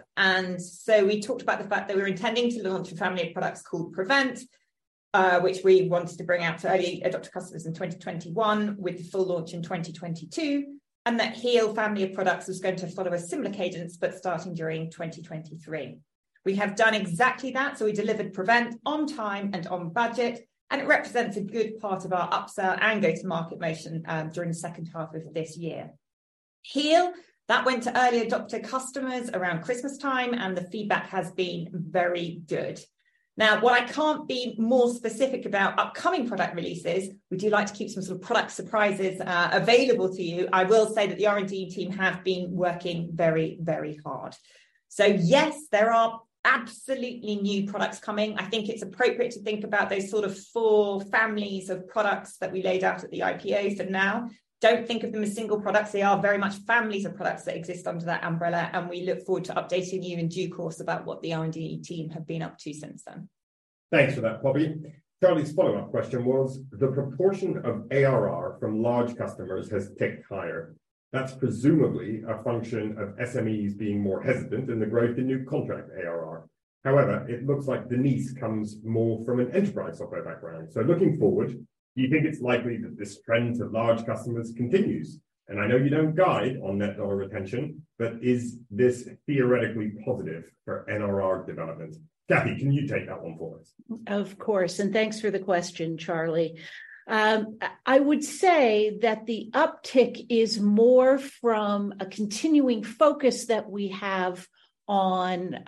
We talked about the fact that we were intending to launch a family of products called PREVENT, which we wanted to bring out to early adopter customers in 2021 with the full launch in 2022, and that HEAL family of products was going to follow a similar cadence but starting during 2023. We have done exactly that. We delivered PREVENT on time and on budget, and it represents a good part of our upsell and go-to-market motion during the second half of this year. HEAL, that went to early adopter customers around Christmastime, and the feedback has been very good. While I can't be more specific about upcoming product releases, we do like to keep some sort of product surprises available to you. I will say that the R&D team have been working very, very hard. Yes, there are absolutely new products coming. I think it's appropriate to think about those sort of four families of products that we laid out at the IPO for now. Don't think of them as single products. They are very much families of products that exist under that umbrella. We look forward to updating you in due course about what the R&D team have been up to since then. Thanks for that, Poppy. Charlie's follow-up question was: The proportion of ARR from large customers has ticked higher. That's presumably a function of SMEs being more hesitant in the growth in new contract ARR. However, it looks like Denise comes more from an enterprise software background. Looking forward, do you think it's likely that this trend to large customers continues? I know you don't guide on net dollar retention, but is this theoretically positive for NRR development? Cathy, can you take that one for us? Of course, thanks for the question, Charlie. I would say that the uptick is more from a continuing focus that we have on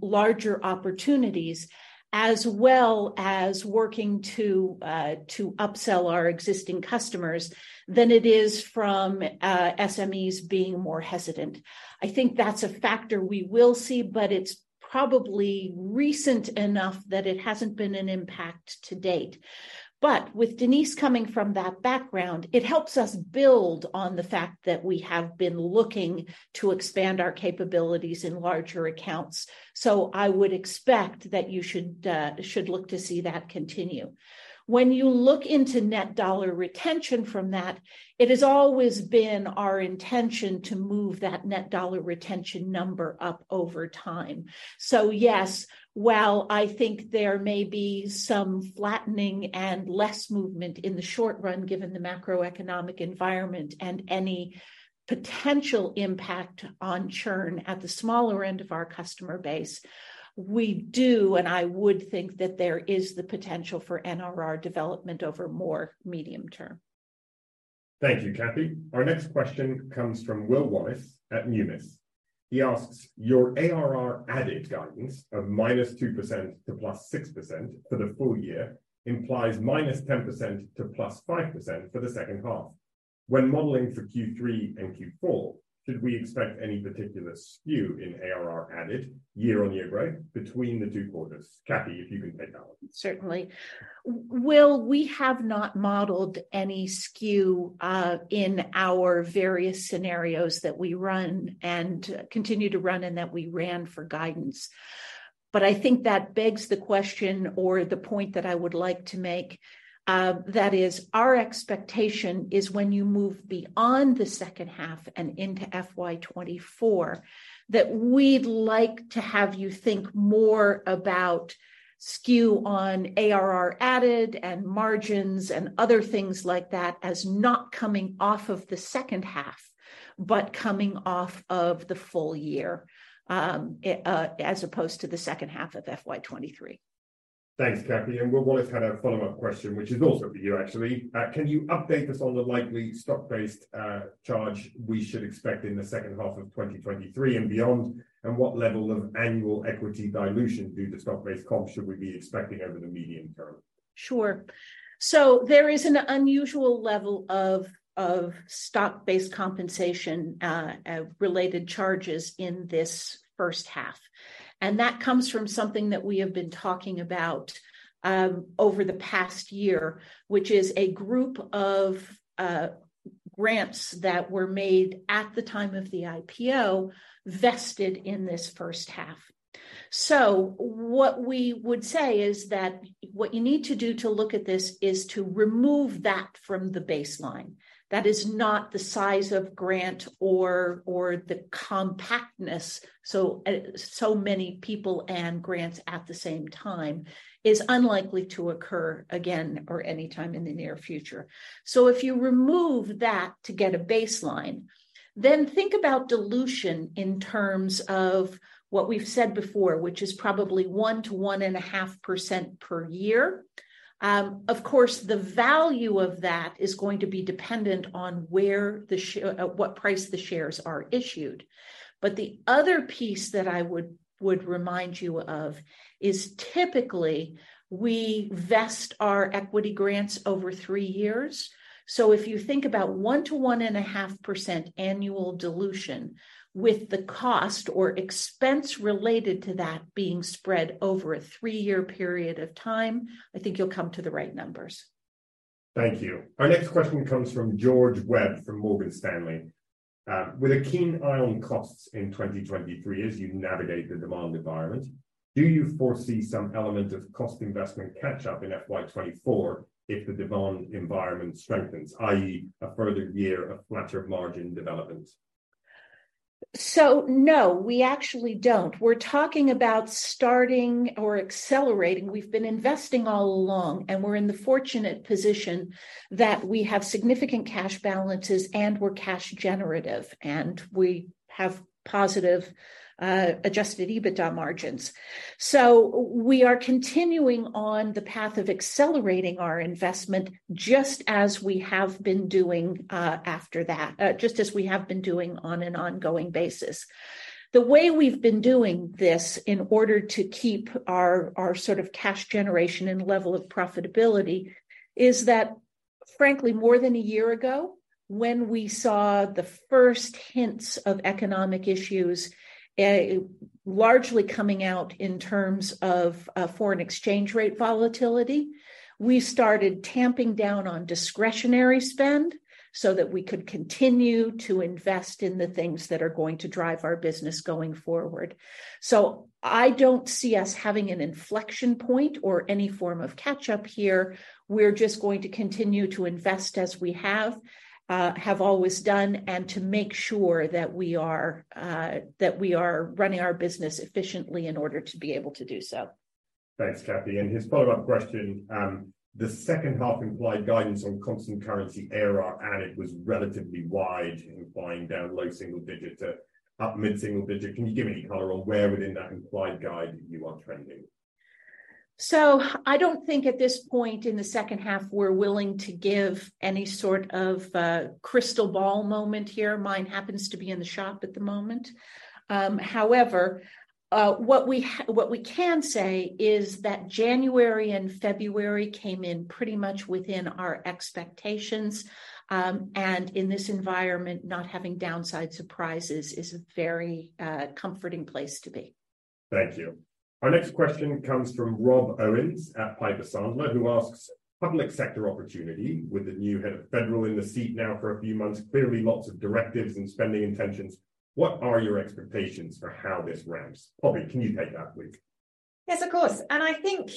larger opportunities as well as working to upsell our existing customers than it is from SMEs being more hesitant. I think that's a factor we will see, but it's probably recent enough that it hasn't been an impact to date. With Denise coming from that background, it helps us build on the fact that we have been looking to expand our capabilities in larger accounts. I would expect that you should look to see that continue. When you look into net dollar retention from that, it has always been our intention to move that net dollar retention number up over time. Yes, while I think there may be some flattening and less movement in the short run given the macroeconomic environment and any potential impact on churn at the smaller end of our customer base, we do, and I would think that there is the potential for NRR development over more medium term. Thank you, Kathy. Our next question comes from Will Wallis at Numis. He asks, "Your ARR added guidance of -2% to +6% for the full year implies -10% to +5% for the second half. When modeling for Q3 and Q4, should we expect any particular skew in ARR added year-on-year growth between the two quarters?" Kathy, if you can take that one. Certainly. Will, we have not modeled any skew in our various scenarios that we run and continue to run, and that we ran for guidance. I think that begs the question or the point that I would like to make, that is our expectation is when you move beyond the second half and into FY 2024, that we'd like to have you think more about skew on ARR added and margins and other things like that as not coming off of the second half, but coming off of the full year, as opposed to the second half of FY 2023. Thanks, Cathy. Will Wallis had a follow-up question, which is also for you actually. "Can you update us on the likely stock-based charge we should expect in the second half of 2023 and beyond? What level of annual equity dilution due to stock-based comp should we be expecting over the medium term? Sure. There is an unusual level of stock-based compensation related charges in this first half, and that comes from something that we have been talking about over the past year, which is a group of grants that were made at the time of the IPO vested in this first half. What we would say is that what you need to do to look at this is to remove that from the baseline. That is not the size of grant or the compactness, so many people and grants at the same time is unlikely to occur again or anytime in the near future. If you remove that to get a baseline, then think about dilution in terms of what we've said before, which is probably 1% to 1.5% per year. Of course, the value of that is going to be dependent on where at what price the shares are issued. The other piece that I would remind you of is typically we vest our equity grants over 3 years. If you think about 1% to 1.5% annual dilution with the cost or expense related to that being spread over a 3-year period of time, I think you'll come to the right numbers. Thank you. Our next question comes from George Webb from Morgan Stanley. "With a keen eye on costs in 2023 as you navigate the demand environment, do you foresee some element of cost investment catch-up in FY 2024 if the demand environment strengthens, i.e., a further year of flatter margin development? No, we actually don't. We're talking about starting or accelerating. We've been investing all along, and we're in the fortunate position that we have significant cash balances, and we're cash generative, and we have positive adjusted EBITDA margins. We are continuing on the path of accelerating our investment, just as we have been doing on an ongoing basis. The way we've been doing this in order to keep our sort of cash generation and level of profitability is that frankly, more than a year ago, when we saw the first hints of economic issues, largely coming out in terms of foreign exchange rate volatility, we started tamping down on discretionary spend so that we could continue to invest in the things that are going to drive our business going forward. I don't see us having an inflection point or any form of catch-up here. We're just going to continue to invest as we have always done, and to make sure that we are, that we are running our business efficiently in order to be able to do so. Thanks, Cathy. His follow-up question, "The second half implied guidance on constant currency ARR added was relatively wide, implying down low single digit to up mid-single digit. Can you give any color on where within that implied guide you are trending? I don't think at this point in the second half we're willing to give any sort of crystal ball moment here. Mine happens to be in the shop at the moment. However, what we can say is that January and February came in pretty much within our expectations. In this environment, not having downside surprises is a very comforting place to be. Thank you. Our next question comes from Rob Owens at Piper Sandler, who asks, "Public sector opportunity with the new head of federal in the seat now for a few months, clearly lots of directives and spending intentions. What are your expectations for how this ramps?" Poppy, can you take that please? Yes, of course. I think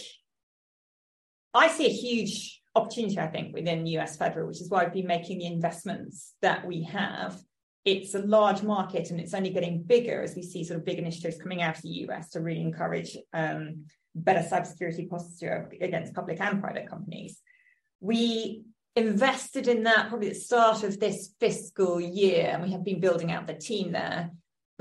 I see a huge opportunity, I think, within U.S. federal, which is why we've been making the investments that we have. It's a large market, and it's only getting bigger as we see sort of big initiatives coming out of the U.S. to really encourage better cybersecurity posture against public and private companies. We invested in that probably at the start of this fiscal year, and we have been building out the team there.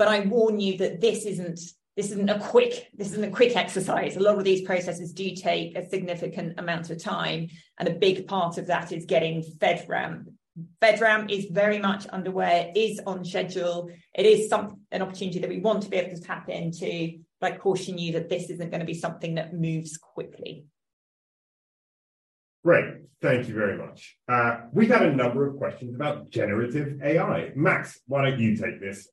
I warn you that this isn't, this isn't a quick, this isn't a quick exercise. A lot of these processes do take a significant amount of time, and a big part of that is getting FedRAMP. FedRAMP is very much underway. It is on schedule. It is an opportunity that we want to be able to tap into. I caution you that this isn't gonna be something that moves quickly. Great. Thank you very much. We've had a number of questions about generative AI. Max, why don't you take this?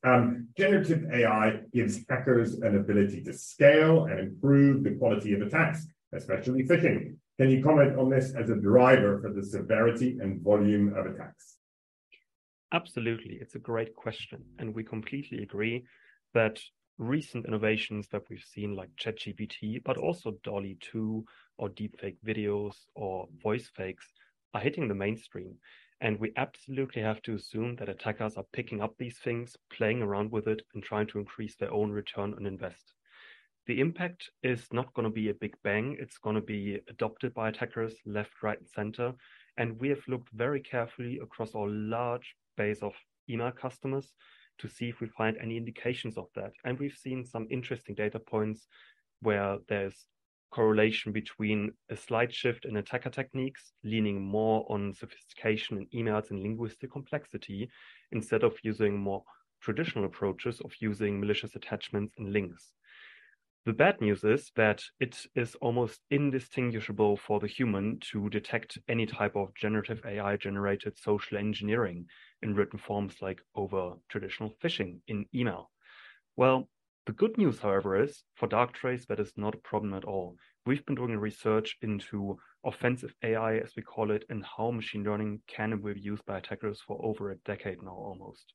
Generative AI gives hackers an ability to scale and improve the quality of attacks, especially phishing. Can you comment on this as a driver for the severity and volume of attacks? Absolutely. It's a great question, and we completely agree that recent innovations that we've seen like ChatGPT, but also DALL-E 2 or deep fake videos or voice fakes are hitting the mainstream. We absolutely have to assume that attackers are picking up these things, playing around with it, and trying to increase their own return on invest. The impact is not gonna be a big bang. It's gonna be adopted by attackers left, right, and center, and we have looked very carefully across our large base of email customers to see if we find any indications of that. We've seen some interesting data points where there's correlation between a slight shift in attacker techniques, leaning more on sophistication in emails and linguistic complexity instead of using more traditional approaches of using malicious attachments and links. The bad news is that it is almost indistinguishable for the human to detect any type of generative AI-generated social engineering in written forms like over traditional phishing in email. The good news, however, is for Darktrace that is not a problem at all. We've been doing research into offensive AI, as we call it, and how machine learning can and will be used by attackers for over a decade now almost.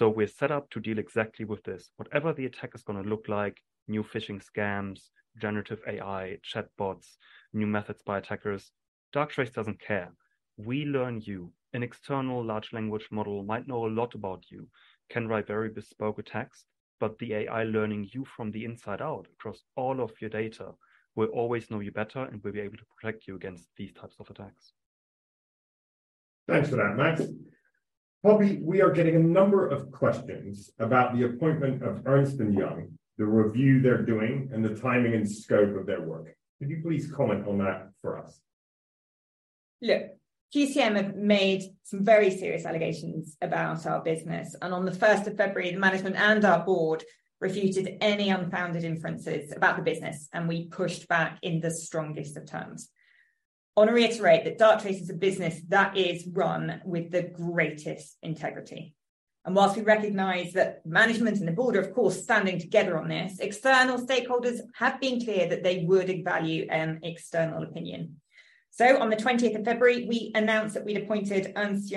We're set up to deal exactly with this. Whatever the attack is gonna look like, new phishing scams, generative AI, chatbots, new methods by attackers, Darktrace doesn't care. We learn you. An external large language model might know a lot about you, can write very bespoke attacks, but the AI learning you from the inside out across all of your data will always know you better and will be able to protect you against these types of attacks. Thanks for that, Max. Poppy, we are getting a number of questions about the appointment of Ernst & Young, the review they're doing, and the timing and scope of their work. Could you please comment on that for us? Look, GCM have made some very serious allegations about our business, and on the first of February, the management and our board refuted any unfounded inferences about the business, and we pushed back in the strongest of terms. I want to reiterate that Darktrace is a business that is run with the greatest integrity. Whilst we recognize that management and the board are of course standing together on this, external stakeholders have been clear that they would value external opinion. On the twentieth of February, we announced that we'd appointed Ernst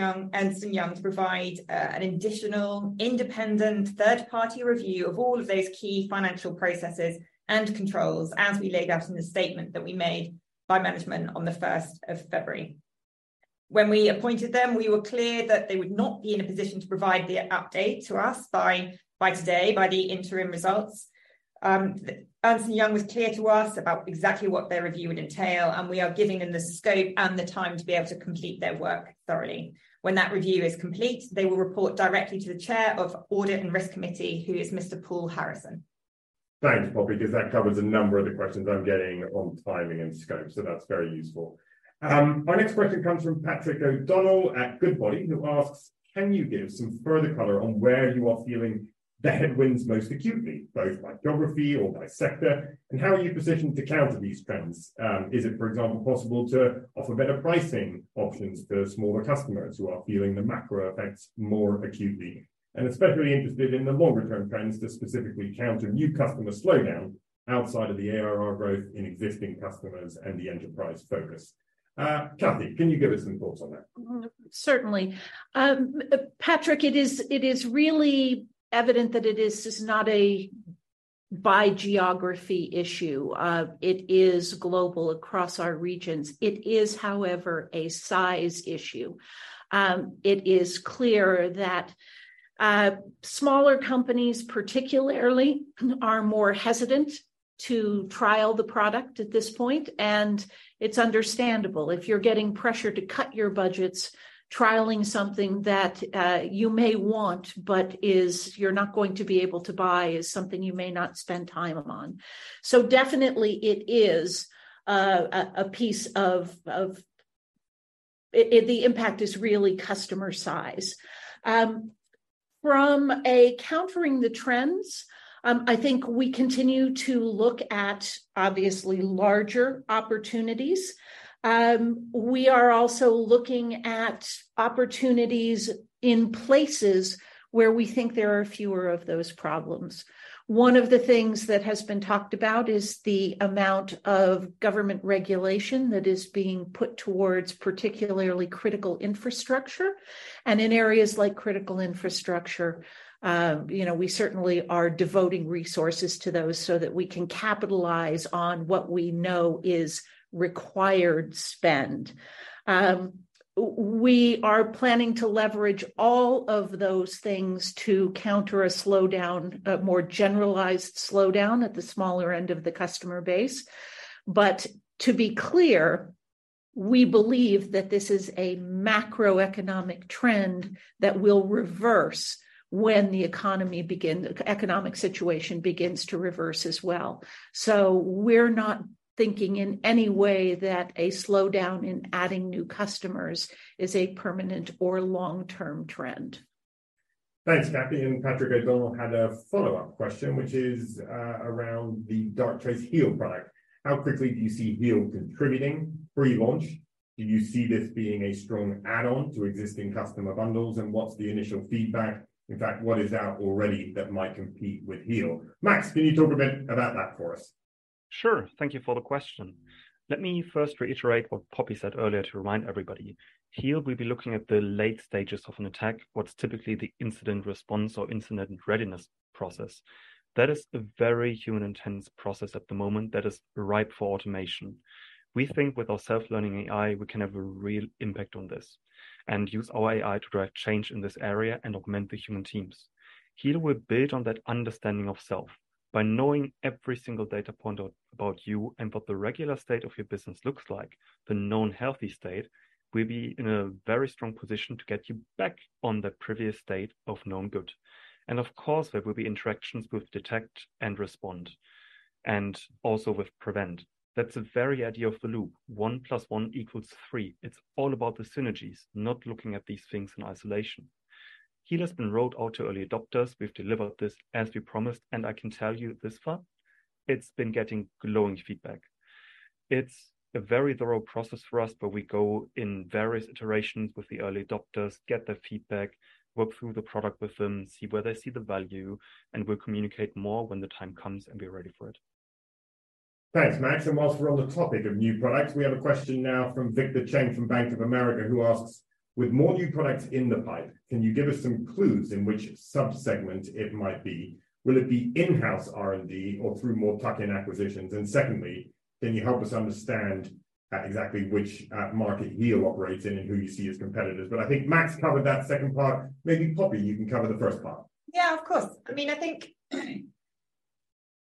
& Young to provide an additional independent third-party review of all of those key financial processes and controls as we laid out in the statement that we made by management on the first of February. When we appointed them, we were clear that they would not be in a position to provide the update to us by today, by the interim results. Ernst & Young was clear to us about exactly what their review would entail, and we are giving them the scope and the time to be able to complete their work thoroughly. When that review is complete, they will report directly to the chair of Audit and Risk Committee, who is Mr. Paul Harrison. Thanks, Poppy, because that covers a number of the questions I'm getting on timing and scope, so that's very useful. Our next question comes from Patrick O'Donnell at Goodbody, who asks: Can you give some further color on where you are feeling the headwinds most acutely, both by geography or by sector, and how are you positioned to counter these trends? Is it, for example, possible to offer better pricing options for smaller customers who are feeling the macro effects more acutely? Especially interested in the longer-term trends to specifically counter new customer slowdown outside of the ARR growth in existing customers and the enterprise focus. Cathy, can you give us some thoughts on that? Certainly. Patrick, it is really evident that it is not a by geography issue. It is global across our regions. It is, however, a size issue. It is clear that smaller companies particularly are more hesitant to trial the product at this point, and it's understandable. If you're getting pressure to cut your budgets, trialing something that you may want but you're not going to be able to buy is something you may not spend time on. Definitely it is the impact is really customer size. From a countering the trends, I think we continue to look at obviously larger opportunities. We are also looking at opportunities in places where we think there are fewer of those problems. One of the things that has been talked about is the amount of government regulation that is being put towards particularly critical infrastructure. In areas like critical infrastructure, you know, we certainly are devoting resources to those so that we can capitalize on what we know is required spend. We are planning to leverage all of those things to counter a slowdown, a more generalized slowdown at the smaller end of the customer base. To be clear. We believe that this is a macroeconomic trend that will reverse when the economic situation begins to reverse as well. We're not thinking in any way that a slowdown in adding new customers is a permanent or long-term trend. Thanks, Cathy. Patrick O'Donnell had a follow-up question, which is around the Darktrace HEAL product. How quickly do you see HEAL contributing pre-launch? Do you see this being a strong add-on to existing customer bundles? What's the initial feedback? In fact, what is out already that might compete with HEAL? Max, can you talk a bit about that for us? Sure. Thank you for the question. Let me first reiterate what Poppy said earlier to remind everybody. HEAL will be looking at the late stages of an attack, what's typically the incident response or incident readiness process. That is a very human-intense process at the moment that is ripe for automation. We think with our Self-Learning AI, we can have a real impact on this, and use our AI to drive change in this area and augment the human teams. HEAL will build on that understanding of self. By knowing every single data point about you and what the regular state of your business looks like, the known healthy state, we'll be in a very strong position to get you back on the previous state of known good. Of course, there will be interactions with DETECT and RESPOND, and also with PREVENT. That's the very idea of the loop, 1 plus 1 equals 3. It's all about the synergies, not looking at these things in isolation. HEAL has been rolled out to early adopters. We've delivered this as we promised, I can tell you thus far it's been getting glowing feedback. It's a very thorough process for us, but we go in various iterations with the early adopters, get their feedback, work through the product with them, see where they see the value, We'll communicate more when the time comes and we're ready for it. Thanks, Max. While we're on the topic of new products, we have a question now from Victor Cheng from Bank of America, who asks, with more new products in the pipe, can you give us some clues in which sub-segment it might be? Will it be in-house R&D or through more tuck-in acquisitions? Secondly, can you help us understand exactly which market HEAL operates in and who you see as competitors? I think Max covered that second part. Maybe Poppy, you can cover the first part. Yeah, of course. I mean, I think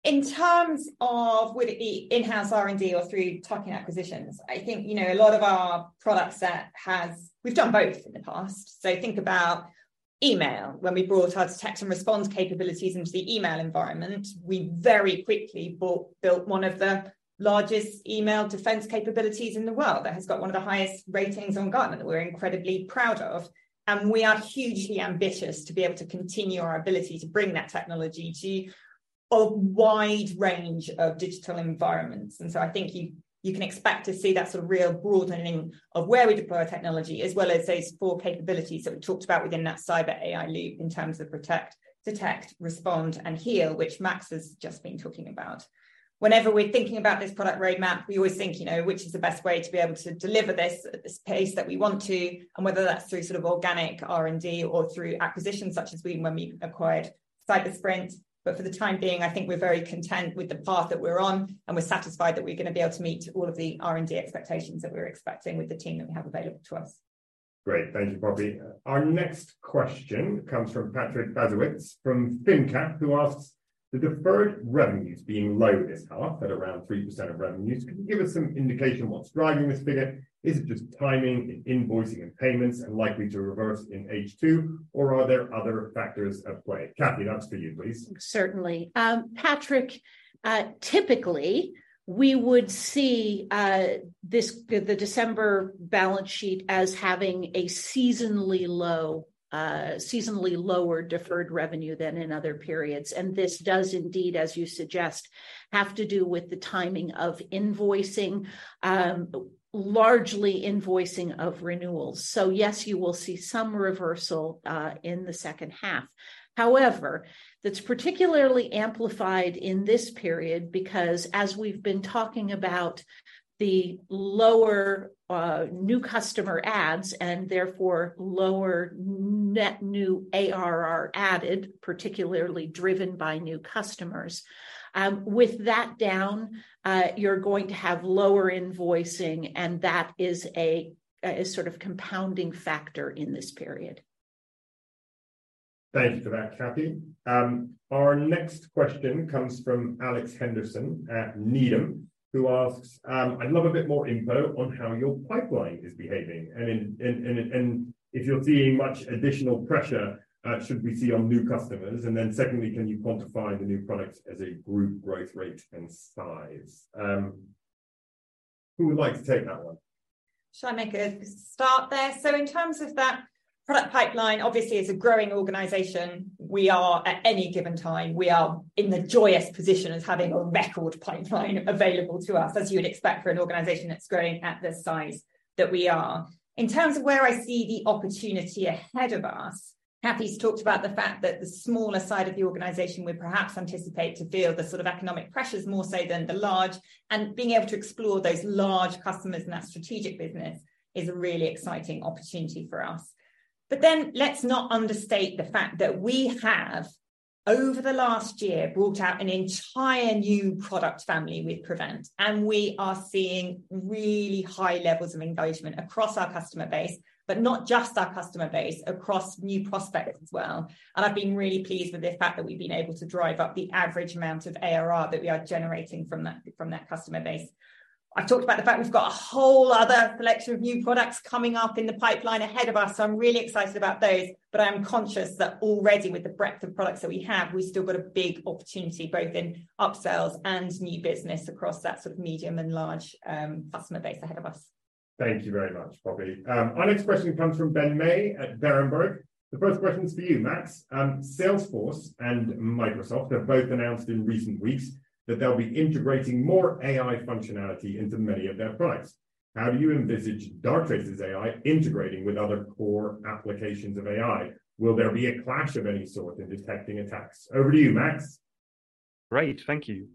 in terms of would it be in-house R&D or through tuck-in acquisitions, I think, you know, a lot of our product set has... We've done both in the past. Think about email. When we brought our detect and response capabilities into the email environment, we very quickly built one of the largest email defense capabilities in the world that has got one of the highest ratings on Gartner that we're incredibly proud of. We are hugely ambitious to be able to continue our ability to bring that technology to a wide range of digital environments. I think you can expect to see that sort of real broadening of where we deploy our technology, as well as those 4 capabilities that we talked about within that Cyber AI Loop in terms of protect, DETECT, RESPOND, and HEAL, which Max has just been talking about. Whenever we're thinking about this product roadmap, we always think, you know, which is the best way to be able to deliver this at the pace that we want to, and whether that's through sort of organic R&D or through acquisitions such as when we acquired Cybersprint. For the time being, I think we're very content with the path that we're on, and we're satisfied that we're going to be able to meet all of the R&D expectations that we're expecting with the team that we have available to us. Great. Thank you, Poppy. Our next question comes from Patrick Basiewicz from finnCap Group, who asks, the deferred revenues being low this half at around 3% of revenues, can you give us some indication what's driving this figure? Is it just timing in invoicing and payments and likely to reverse in H2, or are there other factors at play? Cathy, that's to you, please. Certainly. Patrick, typically we would see the December balance sheet as having a seasonally low, seasonally lower deferred revenue than in other periods. This does indeed, as you suggest, have to do with the timing of invoicing, largely invoicing of renewals. Yes, you will see some reversal in the second half. However, that's particularly amplified in this period because as we've been talking about the lower new customer adds and therefore lower net new ARR added, particularly driven by new customers, with that down, you're going to have lower invoicing, and that is a sort of compounding factor in this period. Thank you for that, Cathy. Our next question comes from Alex Henderson at Needham, who asks, I'd love a bit more info on how your pipeline is behaving and if you're seeing much additional pressure, should we see on new customers. Secondly, can you quantify the new products as a group growth rate and size? Who would like to take that one? Shall I make a start there? In terms of that product pipeline, obviously as a growing organization, we are at any given time, we are in the joyous position as having a record pipeline available to us, as you would expect for an organization that's growing at the size that we are. In terms of where I see the opportunity ahead of us, Cathy's talked about the fact that the smaller side of the organization would perhaps anticipate to feel the sort of economic pressures more so than the large, and being able to explore those large customers and that strategic business is a really exciting opportunity for us. Let's not understate the fact that over the last year we brought out an entire new product family with PREVENT, and we are seeing really high levels of engagement across our customer base, but not just our customer base, across new prospects as well. I've been really pleased with the fact that we've been able to drive up the average amount of ARR that we are generating from that customer base. I've talked about the fact we've got a whole other selection of new products coming up in the pipeline ahead of us, so I'm really excited about those, but I'm conscious that already with the breadth of products that we have, we've still got a big opportunity both in upsells and new business across that sort of medium and large customer base ahead of us. Thank you very much, Poppy. Our next question comes from Ben May at Berenberg. The first question is for you, Max. Salesforce and Microsoft have both announced in recent weeks that they'll be integrating more AI functionality into many of their products. How do you envisage Darktrace's AI integrating with other core applications of AI? Will there be a clash of any sort in detecting attacks? Over to you, Max. Great. Thank you.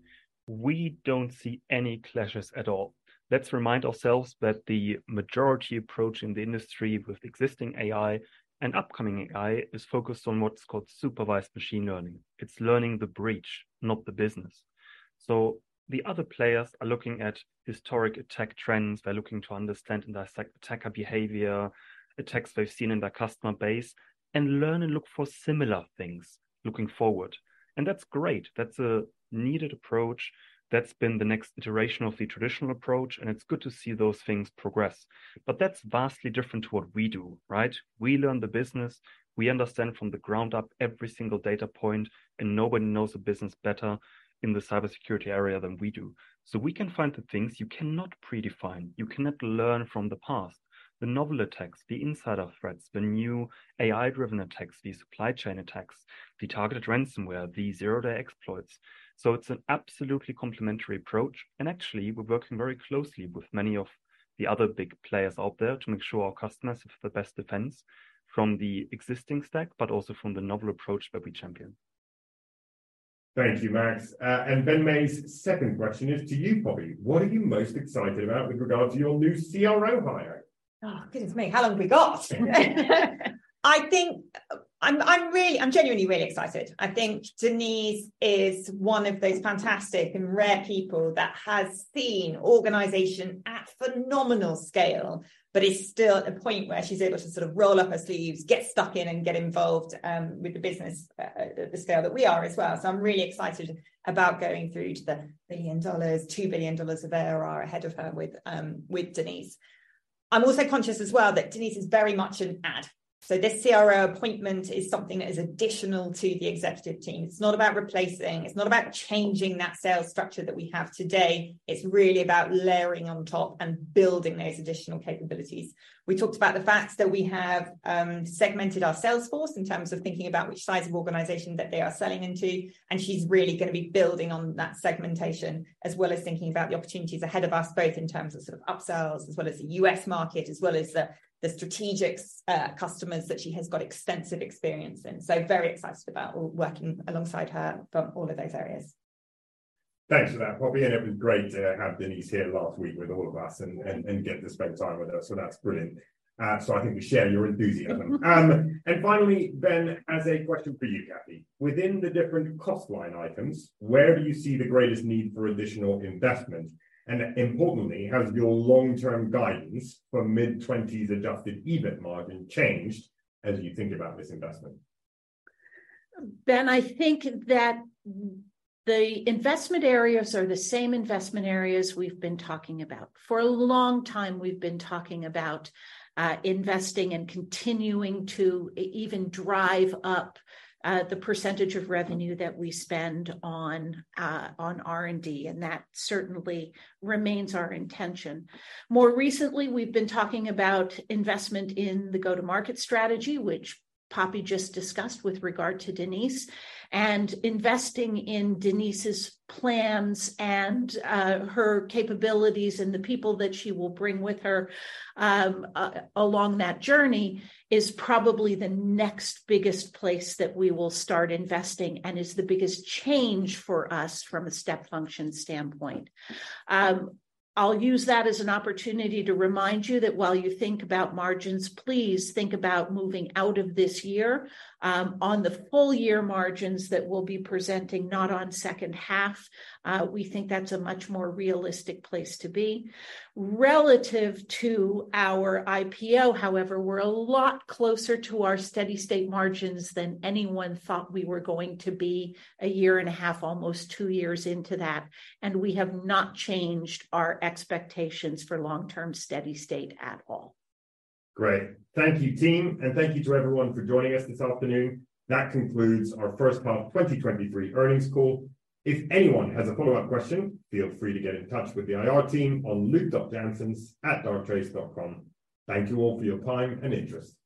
We don't see any clashes at all. Let's remind ourselves that the majority approach in the industry with existing AI and upcoming AI is focused on what's called Supervised Machine Learning. It's learning the breach, not the business. The other players are looking at historic attack trends. They're looking to understand their attacker behavior, attacks they've seen in their customer base and learn and look for similar things looking forward, and that's great. That's a needed approach. That's been the next iteration of the traditional approach, and it's good to see those things progress. That's vastly different to what we do, right? We learn the business. We understand from the ground up every single data point, and nobody knows the business better in the cybersecurity area than we do. We can find the things you cannot predefine, you cannot learn from the past, the novel attacks, the insider threats, the new AI-driven attacks, the supply chain attacks, the targeted ransomware, the zero-day exploits. It's an absolutely complementary approach, and actually, we're working very closely with many of the other big players out there to make sure our customers have the best defense from the existing stack, but also from the novel approach that we champion. Thank you, Max. Ben May's second question is to you, Poppy. What are you most excited about with regard to your new CRO hire? Oh, goodness me. How long have we got? I think I'm genuinely really excited. I think Denise is one of those fantastic and rare people that has seen organization at phenomenal scale, but is still at a point where she's able to sort of roll up her sleeves, get stuck in and get involved with the business at the scale that we are as well. I'm really excited about going through to the $1 billion, $2 billion of ARR ahead of her with Denise. I'm also conscious as well that Denise is very much an add, this CRO appointment is something that is additional to the executive team. It's not about replacing, it's not about changing that sales structure that we have today. It's really about layering on top and building those additional capabilities. We talked about the fact that we have segmented our sales force in terms of thinking about which size of organization that they are selling into, and she's really gonna be building on that segmentation as well as thinking about the opportunities ahead of us, both in terms of sort of upsells as well as the U.S. market, as well as the strategic customers that she has got extensive experience in. Very excited about working alongside her from all of those areas. Thanks for that, Poppy, and it was great to have Denise here last week with all of us and get to spend time with her. That's brilliant. I think we share your enthusiasm. Finally, Ben, as a question for you, Cathy, within the different cost line items, where do you see the greatest need for additional investment? Importantly, has your long-term guidance for mid-20s% adjusted EBIT margin changed as you think about this investment? Ben, I think that the investment areas are the same investment areas we've been talking about. For a long time we've been talking about, investing and continuing to even drive up, the % of revenue that we spend on R&D, and that certainly remains our intention. More recently, we've been talking about investment in the go-to-market strategy, which Poppy just discussed with regard to Denise, and investing in Denise's plans and her capabilities and the people that she will bring with her along that journey is probably the next biggest place that we will start investing and is the biggest change for us from a step function standpoint. I'll use that as an opportunity to remind you that while you think about margins, please think about moving out of this year, on the full year margins that we'll be presenting, not on second half. We think that's a much more realistic place to be. Relative to our IPO, however, we're a lot closer to our steady-state margins than anyone thought we were going to be a year and a half, almost 2 years into that, and we have not changed our expectations for long-term steady state at all. Great. Thank you, team, and thank you to everyone for joining us this afternoon. That concludes our first half 2023 earnings call. If anyone has a follow-up question, feel free to get in touch with the IR team on luk.janssens@darktrace.com. Thank you all for your time and interest.